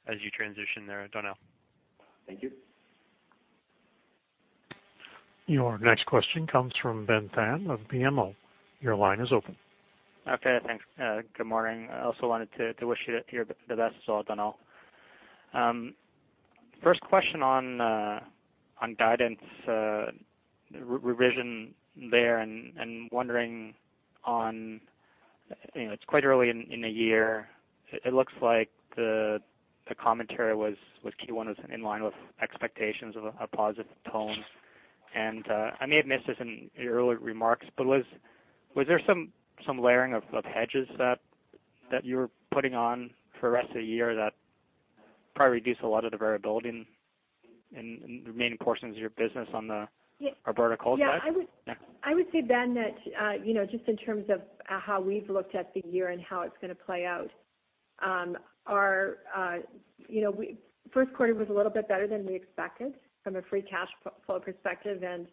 as you transition there, Donald. Thank you. Your next question comes from Benjamin Pham of BMO. Your line is open. Okay, thanks. Good morning. I also wanted to wish you the best as well, Donald. First question on guidance revision there and wondering on, it's quite early in the year, it looks like the commentary was Q1 was in line with expectations of a positive tone. I may have missed this in your earlier remarks, but was there some layering of hedges that you were putting on for the rest of the year that probably reduce a lot of the variability in the remaining portions of your business on the Alberta coal side? Yeah. Yeah. I would say, Ben, that just in terms of how we've looked at the year and how it's going to play out. First quarter was a little bit better than we expected from a free cash flow perspective, and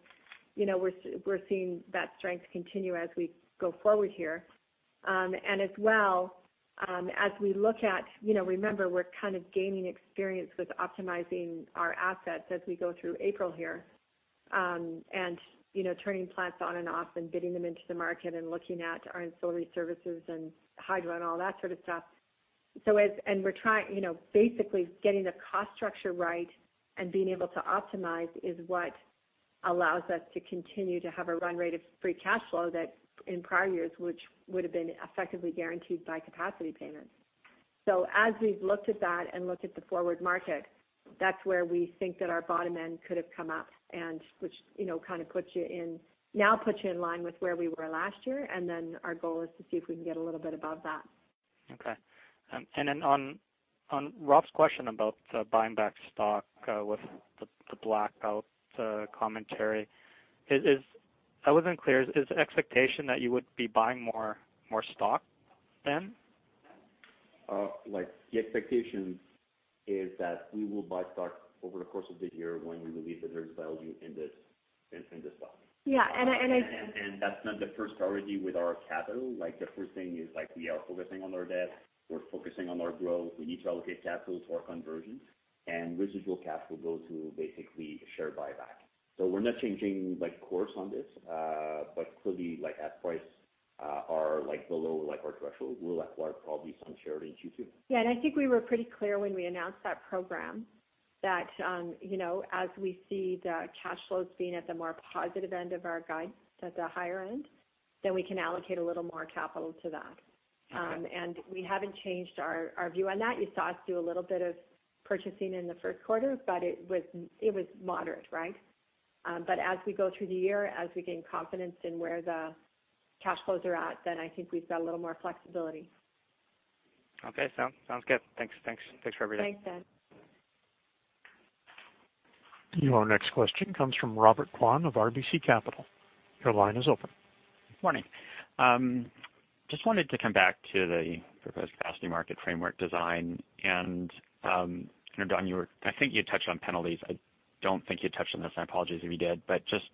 we're seeing that strength continue as we go forward here. As well, as we look at, remember, we're kind of gaining experience with optimizing our assets as we go through April here. Turning plants on and off and getting them into the market and looking at our ancillary services and hydro and all that sort of stuff. Basically getting the cost structure right and being able to optimize is what allows us to continue to have a run rate of free cash flow that in prior years, which would have been effectively guaranteed by capacity payments. As we've looked at that and looked at the forward market, that's where we think that our bottom end could have come up and which now puts you in line with where we were last year, and then our goal is to see if we can get a little bit above that. Okay. On Rob's question about the buying back stock with the blackout commentary. I wasn't clear, is the expectation that you would be buying more stock then? The expectation is that we will buy stock over the course of the year when we believe that there's value in the stock. Yeah. That's not the first priority with our capital. The first thing is we are focusing on our debt. We're focusing on our growth. We need to allocate capital to our conversions. Residual capital goes to basically share buyback. We're not changing course on this. Clearly, as price are below our threshold, we'll acquire probably some share in Q2. Yeah, I think we were pretty clear when we announced that program that as we see the cash flows being at the more positive end of our guide, at the higher end, then we can allocate a little more capital to that. Okay. We haven't changed our view on that. You saw us do a little bit of purchasing in the first quarter, but it was moderate, right? As we go through the year, as we gain confidence in where the cash flows are at, then I think we've got a little more flexibility. Okay, sounds good. Thanks for everything. Thanks, Ben. Your next question comes from Robert Kwan of RBC Capital. Your line is open. Morning. Just wanted to come back to the proposed capacity market framework design. Don, I think you touched on penalties. I don't think you touched on this. I apologize if you did. Just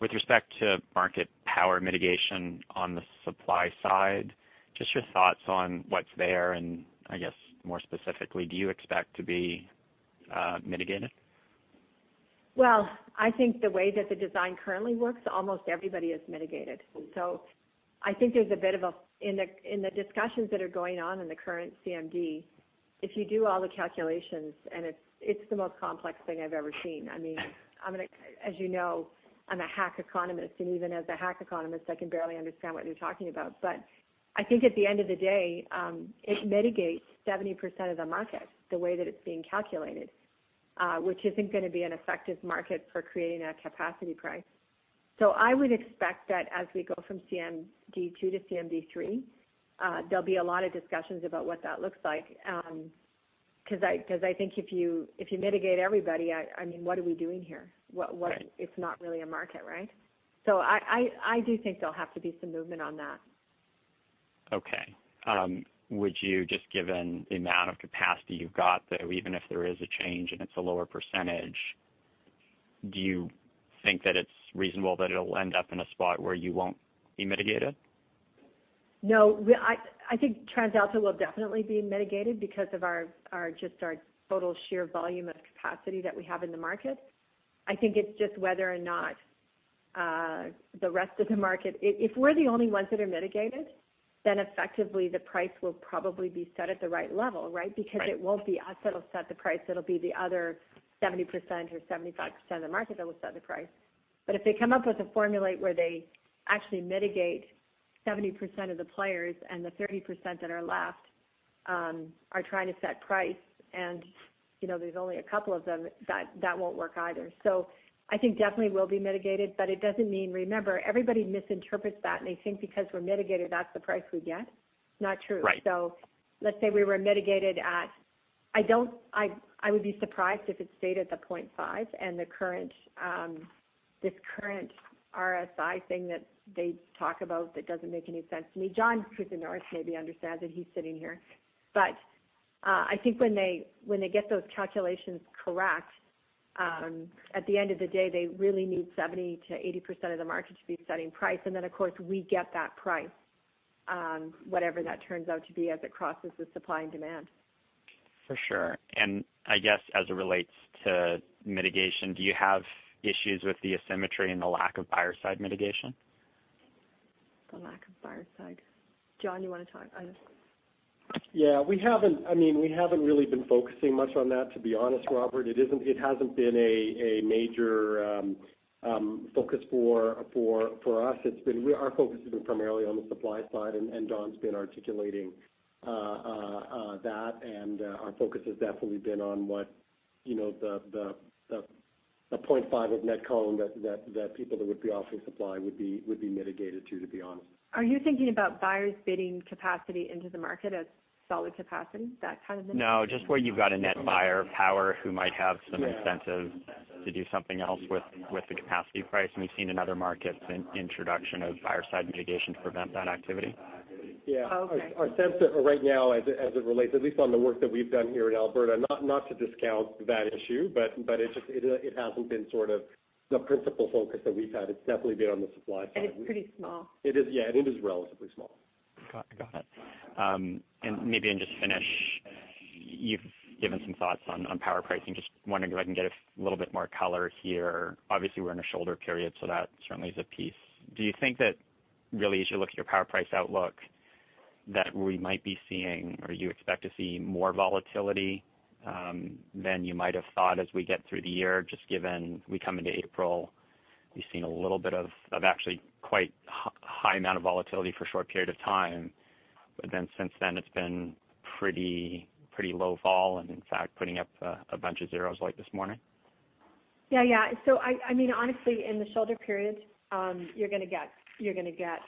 with respect to market power mitigation on the supply side, just your thoughts on what's there, and I guess more specifically, do you expect to be mitigated? Well, I think the way that the design currently works, almost everybody is mitigated. I think there's In the discussions that are going on in the current CMD, if you do all the calculations, and it's the most complex thing I've ever seen. As you know, I'm a hack economist, and even as a hack economist, I can barely understand what they're talking about. I think at the end of the day, it mitigates 70% of the market the way that it's being calculated, which isn't going to be an effective market for creating a capacity price. I would expect that as we go from CMD2 to CMD3, there'll be a lot of discussions about what that looks like. I think if you mitigate everybody, what are we doing here? Right. It's not really a market, right? I do think there'll have to be some movement on that. Okay. Would you just, given the amount of capacity you've got, though, even if there is a change and it's a lower percentage, do you think that it's reasonable that it'll end up in a spot where you won't be mitigated? No. I think TransAlta will definitely be mitigated because of just our total sheer volume of capacity that we have in the market. I think it's just whether or not the rest of the market. If we're the only ones that are mitigated, then effectively the price will probably be set at the right level, right? Right. It won't be us that'll set the price, it'll be the other 70% or 75% of the market that will set the price. If they come up with a formula where they actually mitigate 70% of the players and the 30% that are left are trying to set price, and there's only a couple of them, that won't work either. I think definitely we'll be mitigated, but it doesn't mean. Remember, everybody misinterprets that, and they think because we're mitigated, that's the price we get. Not true. Right. Let's say we were mitigated at, I would be surprised if it stayed at the 0.5 and this current RSI thing that they talk about that doesn't make any sense to me. John Kousinioris, in the north, maybe understands it. He's sitting here. I think when they get those calculations correct, at the end of the day, they really need 70%-80% of the market to be setting price. Of course, we get that price, whatever that turns out to be as it crosses the supply and demand. For sure. I guess as it relates to mitigation, do you have issues with the asymmetry and the lack of buyer-side mitigation? The lack of buyer side. John, you want to talk? Yeah. We haven't really been focusing much on that, to be honest, Robert. It hasn't been a major focus for us. Our focus has been primarily on the supply side, Dawn's been articulating that. Our focus has definitely been on the 0.5 of net CONE that people that would be offering supply would be mitigated to be honest. Are you thinking about buyers bidding capacity into the market as solid capacity, that kind of thing? No, just where you've got a net buyer power who might have some incentive- Yeah to do something else with the capacity price. We've seen in other markets an introduction of buyer-side mitigation to prevent that activity. Yeah. Okay. Our sense of it right now as it relates, at least on the work that we've done here in Alberta, not to discount that issue, but it hasn't been sort of the principal focus that we've had. It's definitely been on the supply side. It's pretty small. Yeah, it is relatively small. Got it. You've given some thoughts on power pricing. Just wondering if I can get a little bit more color here. Obviously, we're in a shoulder period, so that certainly is a piece. Do you think that really as you look at your power price outlook that we might be seeing or you expect to see more volatility than you might have thought as we get through the year, just given we come into April, we've seen a little bit of actually quite high amount of volatility for a short period of time, but then since then it's been pretty low fall and in fact putting up a bunch of zeros like this morning? Yeah. Honestly, in the shoulder period, you're going to get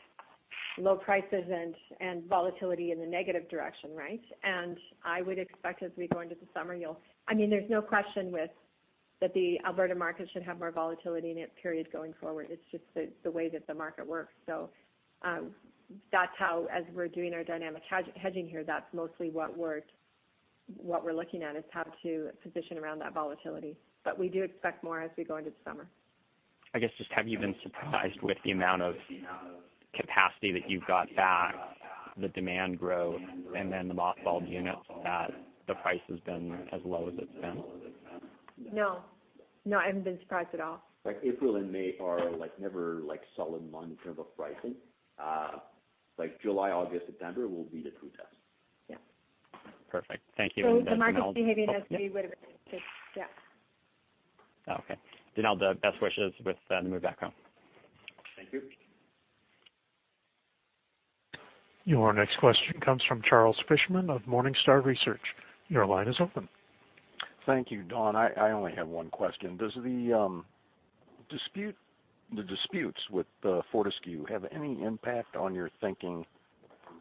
low prices and volatility in the negative direction, right? I would expect as we go into the summer, there's no question with that the Alberta market should have more volatility in its period going forward. It's just the way that the market works. That's how, as we're doing our dynamic hedging here, that's mostly what we're looking at, is how to position around that volatility. We do expect more as we go into the summer. I guess just have you been surprised with the amount of capacity that you've got back, the demand growth, and then the mothballed units that the price has been as low as it's been? No. I haven't been surprised at all. Okay. April and May are never solid months in terms of pricing. July, August, September will be the true test. Yeah. Perfect. Thank you. Then, Donald- The market's behaving as we would expect. Yeah. Okay. Donald, best wishes with the move back home. Thank you. Your next question comes from Charles Fishman of Morningstar Research. Your line is open. Thank you. Dawn, I only have one question. Does the disputes with Fortescue have any impact on your thinking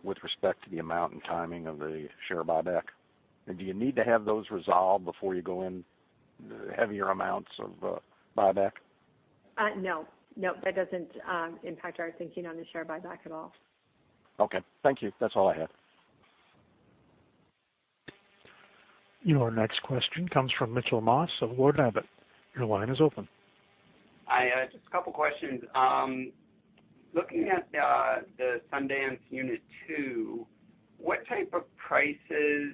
with respect to the amount and timing of the share buyback? Do you need to have those resolved before you go in heavier amounts of buyback? No. That doesn't impact our thinking on the share buyback at all. Okay. Thank you. That's all I had. Your next question comes from Mitchell Moss of Ward Abbott. Your line is open. Just a couple questions. Looking at the Sundance unit 2, what type of prices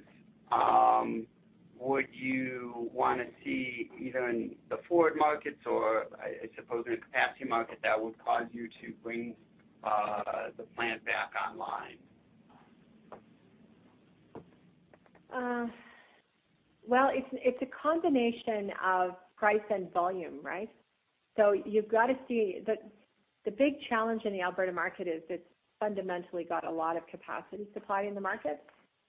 would you want to see either in the forward markets or, I suppose, in the capacity market that would cause you to bring the plant back online? Well, it's a combination of price and volume, right? You've got to see the big challenge in the Alberta market is it's fundamentally got a lot of capacity supply in the market,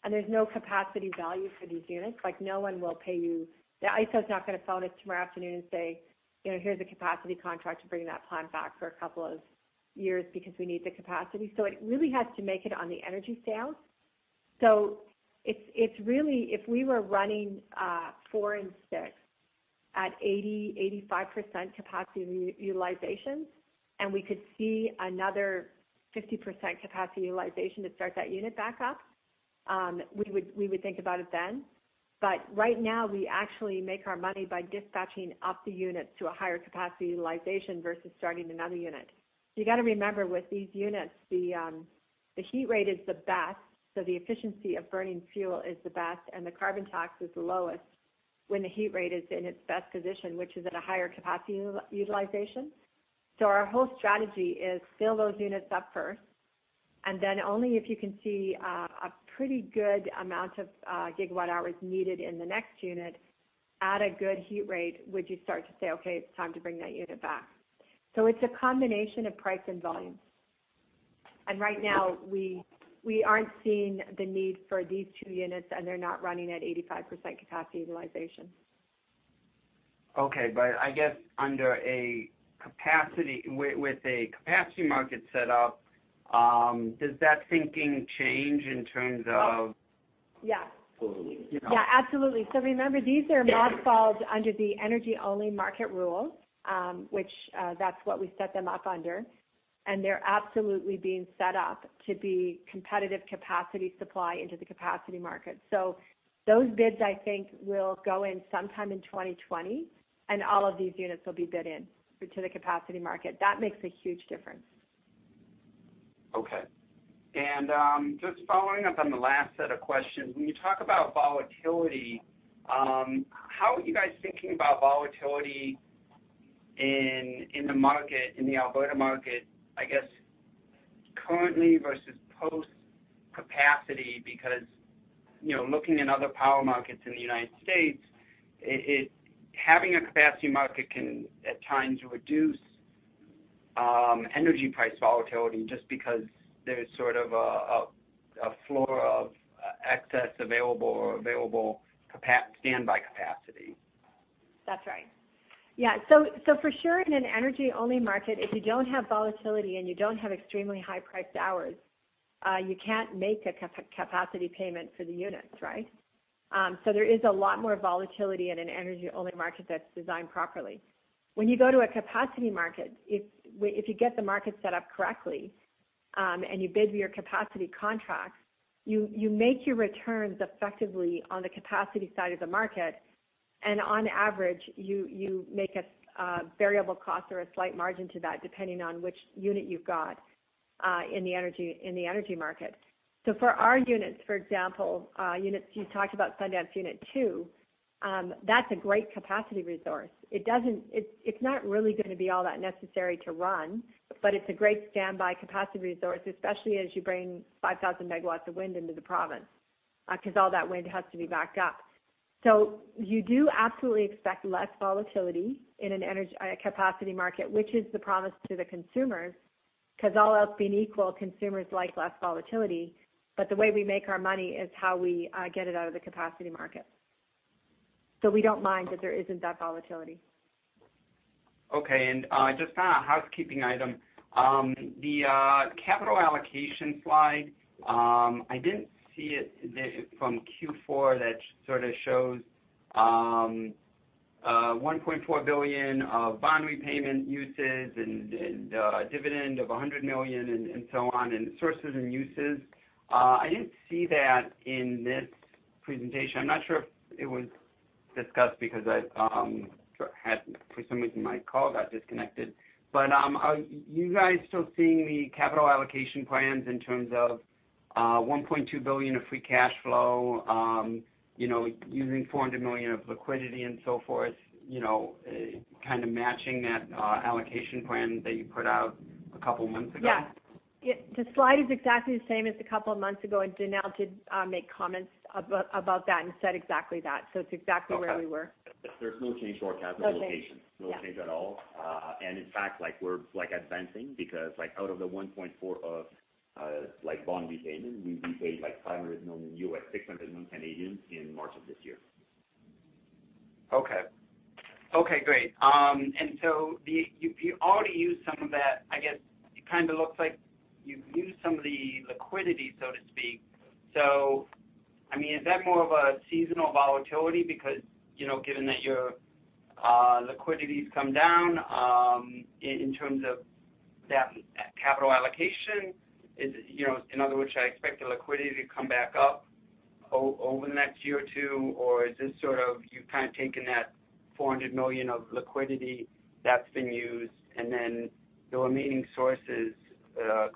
and there's no capacity value for these units. No one will pay you. The ISO's not going to phone us tomorrow afternoon and say, "Here's a capacity contract to bring that plant back for a couple of years because we need the capacity. It really has to make it on the energy sales. If we were running 4 and 6 at 80%, 85% capacity utilization, and we could see another 50% capacity utilization to start that unit back up, we would think about it then. Right now, we actually make our money by dispatching up the units to a higher capacity utilization versus starting another unit. You have to remember, with these units, the heat rate is the best, so the efficiency of burning fuel is the best, and the carbon tax is the lowest when the heat rate is in its best position, which is at a higher capacity utilization. Our whole strategy is fill those units up first, then only if you can see a pretty good amount of gigawatt hours needed in the next unit at a good heat rate, would you start to say, "Okay, it's time to bring that unit back." It's a combination of price and volume. Right now, we aren't seeing the need for these two units, and they're not running at 85% capacity utilization. Okay. I guess with a capacity market set up, does that thinking change in terms of- Yeah. Totally. Yeah, absolutely. Remember, these are mothballed under the energy-only market rules, which that's what we set them up under. They're absolutely being set up to be competitive capacity supply into the capacity market. Those bids, I think, will go in sometime in 2020. All of these units will be bid in to the capacity market. That makes a huge difference. Okay. Just following up on the last set of questions. When you talk about volatility, how are you guys thinking about volatility in the Alberta market, I guess currently versus post-capacity? Because looking in other power markets in the U.S., having a capacity market can, at times, reduce energy price volatility just because there's sort of a floor of excess available standby capacity. For sure in an energy-only market, if you don't have volatility and you don't have extremely high-priced hours, you can't make a capacity payment for the units, right? There is a lot more volatility in an energy-only market that's designed properly. When you go to a capacity market, if you get the market set up correctly, and you bid your capacity contracts, you make your returns effectively on the capacity side of the market. On average, you make a variable cost or a slight margin to that depending on which unit you've got in the energy market. For our units, for example, you talked about Sundance unit 2, that's a great capacity resource. It's not really going to be all that necessary to run, but it's a great standby capacity resource, especially as you bring 5,000 MW of wind into the province, because all that wind has to be backed up. You do absolutely expect less volatility in a capacity market, which is the promise to the consumers, because all else being equal, consumers like less volatility. The way we make our money is how we get it out of the capacity market. We don't mind that there isn't that volatility. Okay. Just a housekeeping item. The capital allocation slide, I didn't see it from Q4 that sort of shows 1.4 billion of bond repayment uses and dividend of 100 million and so on, and sources and uses. I didn't see that in this presentation. I'm not sure if it was discussed because for some reason my call got disconnected. Are you guys still seeing the capital allocation plans in terms of 1.2 billion of free cash flow, using 400 million of liquidity and so forth, kind of matching that allocation plan that you put out a couple months ago? Yeah. The slide is exactly the same as a couple of months ago, Donald did make comments about that and said exactly that. It's exactly where we were. There's no change to our capital allocation. Okay. Yeah. No change at all. In fact, we're advancing because out of the 1.4 of bond repayment, we've repaid 500 million, 600 million in March of this year. Okay. Okay, great. So you already used some of that. I guess it kind of looks like you've used some of the liquidity, so to speak. Is that more of a seasonal volatility because given that your liquidity's come down in terms of that capital allocation? In other words, should I expect the liquidity to come back up over the next year or two? Or is this sort of you've kind of taken that 400 million of liquidity that's been used and then the remaining sources,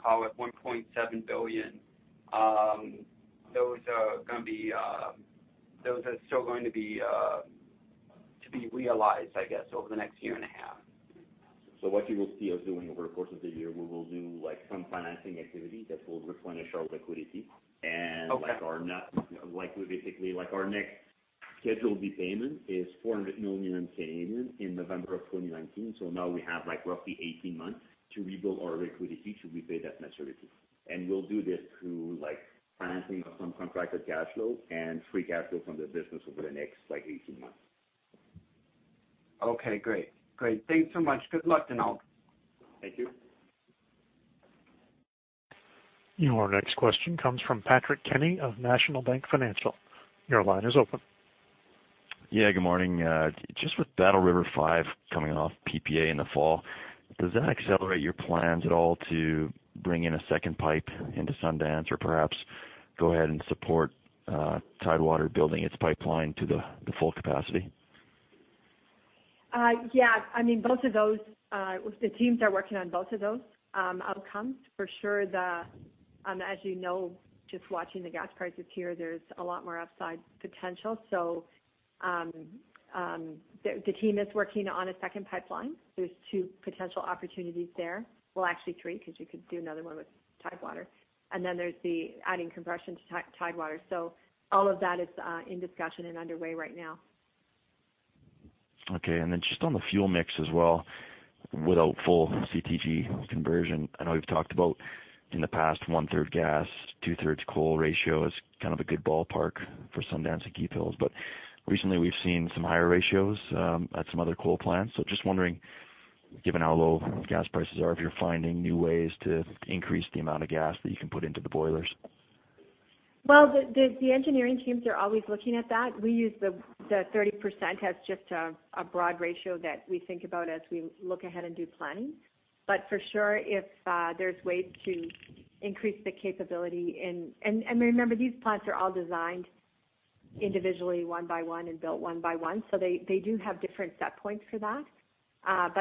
call it 1.7 billion, those are still going to be realized, I guess, over the next year and a half? What you will see us doing over the course of the year, we will do some financing activity that will replenish our liquidity. Okay. Basically, our next scheduled repayment is 400 million in November of 2019. Now we have roughly 18 months to rebuild our liquidity should we pay that maturity. We'll do this through financing of some contracted cash flow and free cash flow from the business over the next 18 months. Okay, great. Thanks so much. Good luck to you. Thank you. Your next question comes from Patrick Kenny of National Bank Financial. Your line is open. Yeah, good morning. Just with Battle River 5 coming off PPA in the fall, does that accelerate your plans at all to bring in a second pipe into Sundance or perhaps go ahead and support Tidewater building its pipeline to the full capacity? Yeah, the teams are working on both of those outcomes. For sure, as you know, just watching the gas prices here, there's a lot more upside potential. The team is working on a second pipeline. There's two potential opportunities there. Well, actually three, because you could do another one with Tidewater. Then there's the adding compression to Tidewater. All of that is in discussion and underway right now. Okay, then just on the fuel mix as well, without full CTG conversion. I know you've talked about in the past one-third gas, two-thirds coal ratio as kind of a good ballpark for Sundance and Keephills, but recently we've seen some higher ratios at some other coal plants. Just wondering, given how low gas prices are, if you're finding new ways to increase the amount of gas that you can put into the boilers. The engineering teams are always looking at that. We use the 30% as just a broad ratio that we think about as we look ahead and do planning. For sure, if there's ways to increase the capability. Remember, these plants are all designed individually one by one and built one by one, so they do have different set points for that.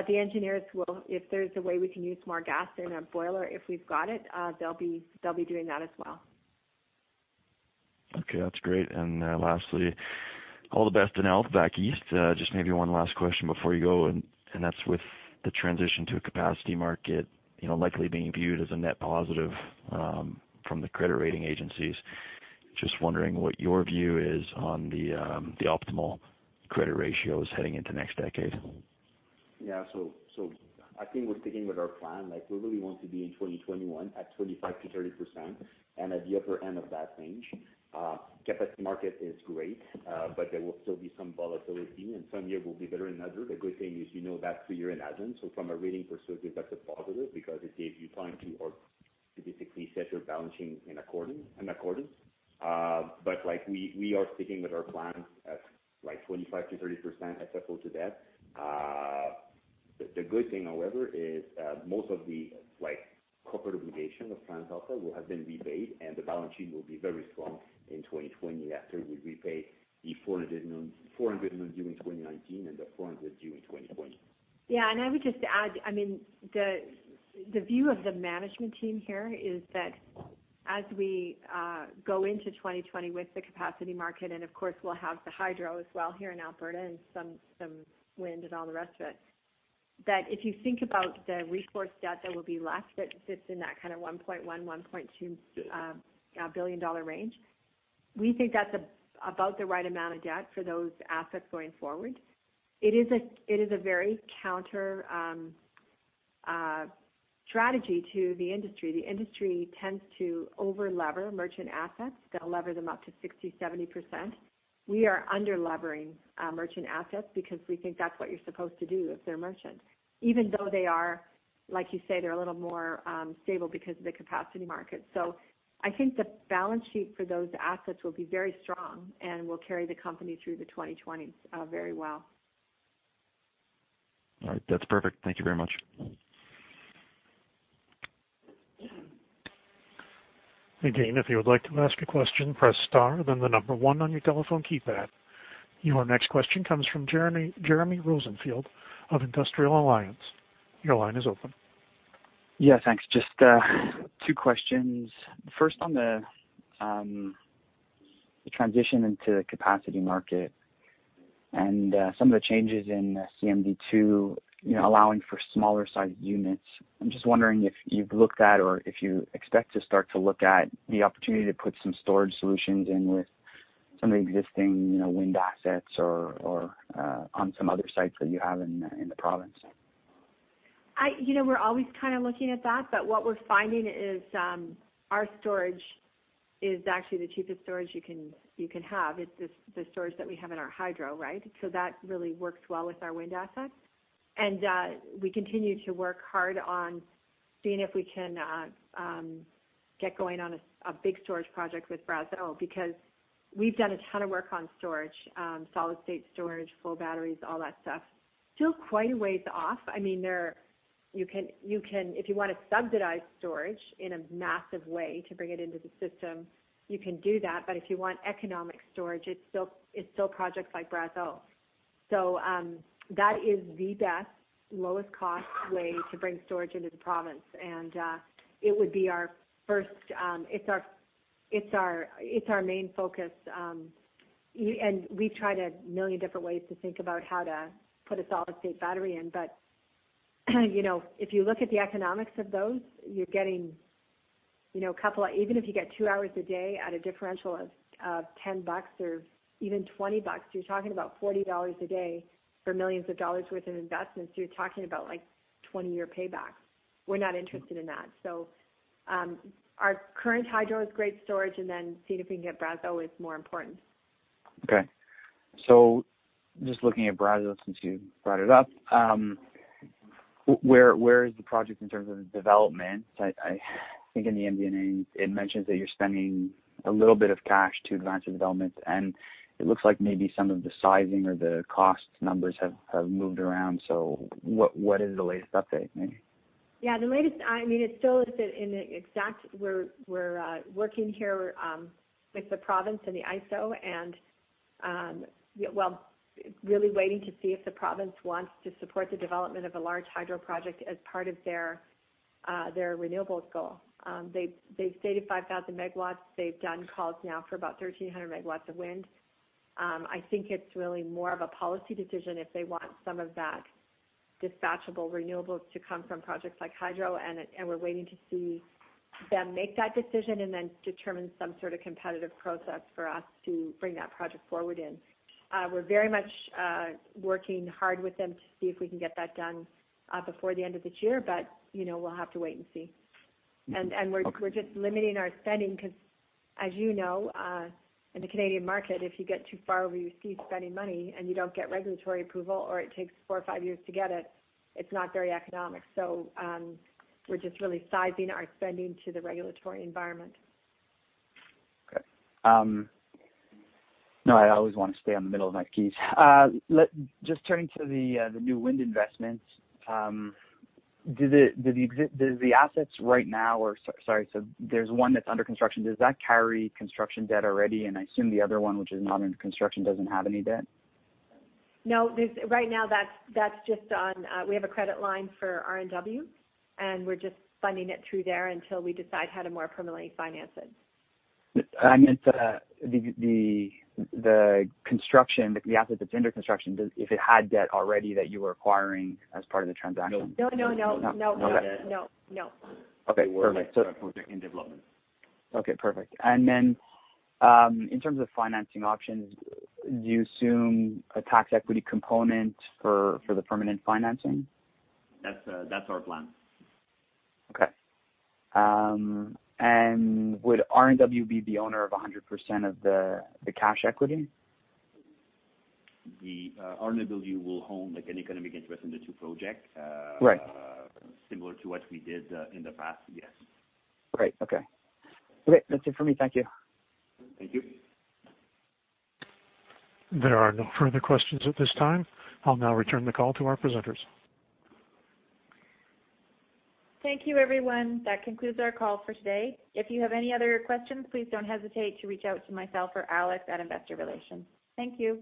The engineers will, if there's a way we can use more gas in a boiler, if we've got it, they'll be doing that as well. Okay, that's great. Lastly, all the best in health back east. Just maybe one last question before you go, and that's with the transition to a capacity market, likely being viewed as a net positive from the credit rating agencies. Just wondering what your view is on the optimal credit ratios heading into next decade. I think we're sticking with our plan. We really want to be in 2021 at 25%-30% and at the upper end of that range. Capacity market is great, there will still be some volatility, and some years will be better than others. The good thing is you know that three years in advance. From a rating perspective, that's a positive because it gives you time to, or to basically set your balancing in accordance. We are sticking with our plan at 25%-30% effort to that. The good thing, however, is most of the corporate obligation of TransAlta will have been repaid, and the balance sheet will be very strong in 2020 after we repay the 400 million due in 2019 and the 400 due in 2020. I would just add, the view of the management team here is that as we go into 2020 with the capacity market, and of course, we'll have the hydro as well here in Alberta and some wind and all the rest of it, that if you think about the resource debt that will be left, that sits in that kind of 1.1 billion, 1.2 billion dollar range. We think that's about the right amount of debt for those assets going forward. It is a very counter strategy to the industry. The industry tends to over-lever merchant assets. They'll lever them up to 60%-70%. We are under-levering merchant assets because we think that's what you're supposed to do if they're merchant, even though they are, like you say, they're a little more stable because of the capacity market. I think the balance sheet for those assets will be very strong and will carry the company through the 2020s very well. All right. That's perfect. Thank you very much. Again, if you would like to ask a question, press star, then the number one on your telephone keypad. Your next question comes from Jeremy Rosenfield of Industrial Alliance. Your line is open. Yeah, thanks. Just two questions. First, on the transition into the capacity market and some of the changes in CMD2 allowing for smaller-sized units. I'm just wondering if you've looked at or if you expect to start to look at the opportunity to put some storage solutions in with some of the existing wind assets or on some other sites that you have in the province. We're always kind of looking at that. What we're finding is our storage is actually the cheapest storage you can have. It's the storage that we have in our hydro, right? That really works well with our wind assets. We continue to work hard on seeing if we can get going on a big storage project with Brazeau because we've done a ton of work on storage, solid-state storage, flow batteries, all that stuff. Still quite a ways off. If you want to subsidize storage in a massive way to bring it into the system, you can do that. If you want economic storage, it's still projects like Brazeau. That is the best, lowest cost way to bring storage into the province, and it would be our first. It's our main focus. We've tried a million different ways to think about how to put a solid-state battery in. If you look at the economics of those, even if you get two hours a day at a differential of 10 bucks or even 20 bucks, you're talking about 40 dollars a day for millions of CAD worth of investments. You're talking about 20-year payback. We're not interested in that. Our current hydro is great storage, and then seeing if we can get Brazeau is more important. Okay. Just looking at Brazeau, since you brought it up. Where is the project in terms of development? I think in the MD&A, it mentions that you're spending a little bit of cash to advance your development, and it looks like maybe some of the sizing or the cost numbers have moved around. What is the latest update, maybe? Yeah. We're working here with the province and the ISO and really waiting to see if the province wants to support the development of a large hydro project as part of their renewables goal. They've stated 5,000 megawatts. They've done calls now for about 1,300 megawatts of wind. I think it's really more of a policy decision if they want some of that dispatchable renewables to come from projects like hydro. We're waiting to see them make that decision and then determine some sort of competitive process for us to bring that project forward in. We're very much working hard with them to see if we can get that done before the end of this year. We'll have to wait and see. Okay. We're just limiting our spending because, as you know, in the Canadian market, if you get too far over your skis spending money and you don't get regulatory approval, or it takes four or five years to get it's not very economic. We're just really sizing our spending to the regulatory environment. Okay. No, I always want to stay on the middle of my skis. Just turning to the new wind investments. There's one that's under construction. Does that carry construction debt already? I assume the other one, which is not under construction, doesn't have any debt? No, right now we have a credit line for RNW, and we're just funding it through there until we decide how to more permanently finance it. I meant the asset that's under construction, if it had debt already that you were acquiring as part of the transaction. No. No. Okay, perfect. They were in development. Okay, perfect. In terms of financing options, do you assume a tax equity component for the permanent financing? That's our plan. Okay. Would RNW be the owner of 100% of the cash equity? The RNW will own an economic interest in the two projects. Right Similar to what we did in the past. Yes. Great. Okay. Great. That's it for me. Thank you. Thank you. There are no further questions at this time. I'll now return the call to our presenters. Thank you, everyone. That concludes our call for today. If you have any other questions, please don't hesitate to reach out to myself or Alex at Investor Relations. Thank you.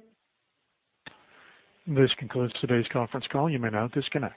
This concludes today's conference call. You may now disconnect.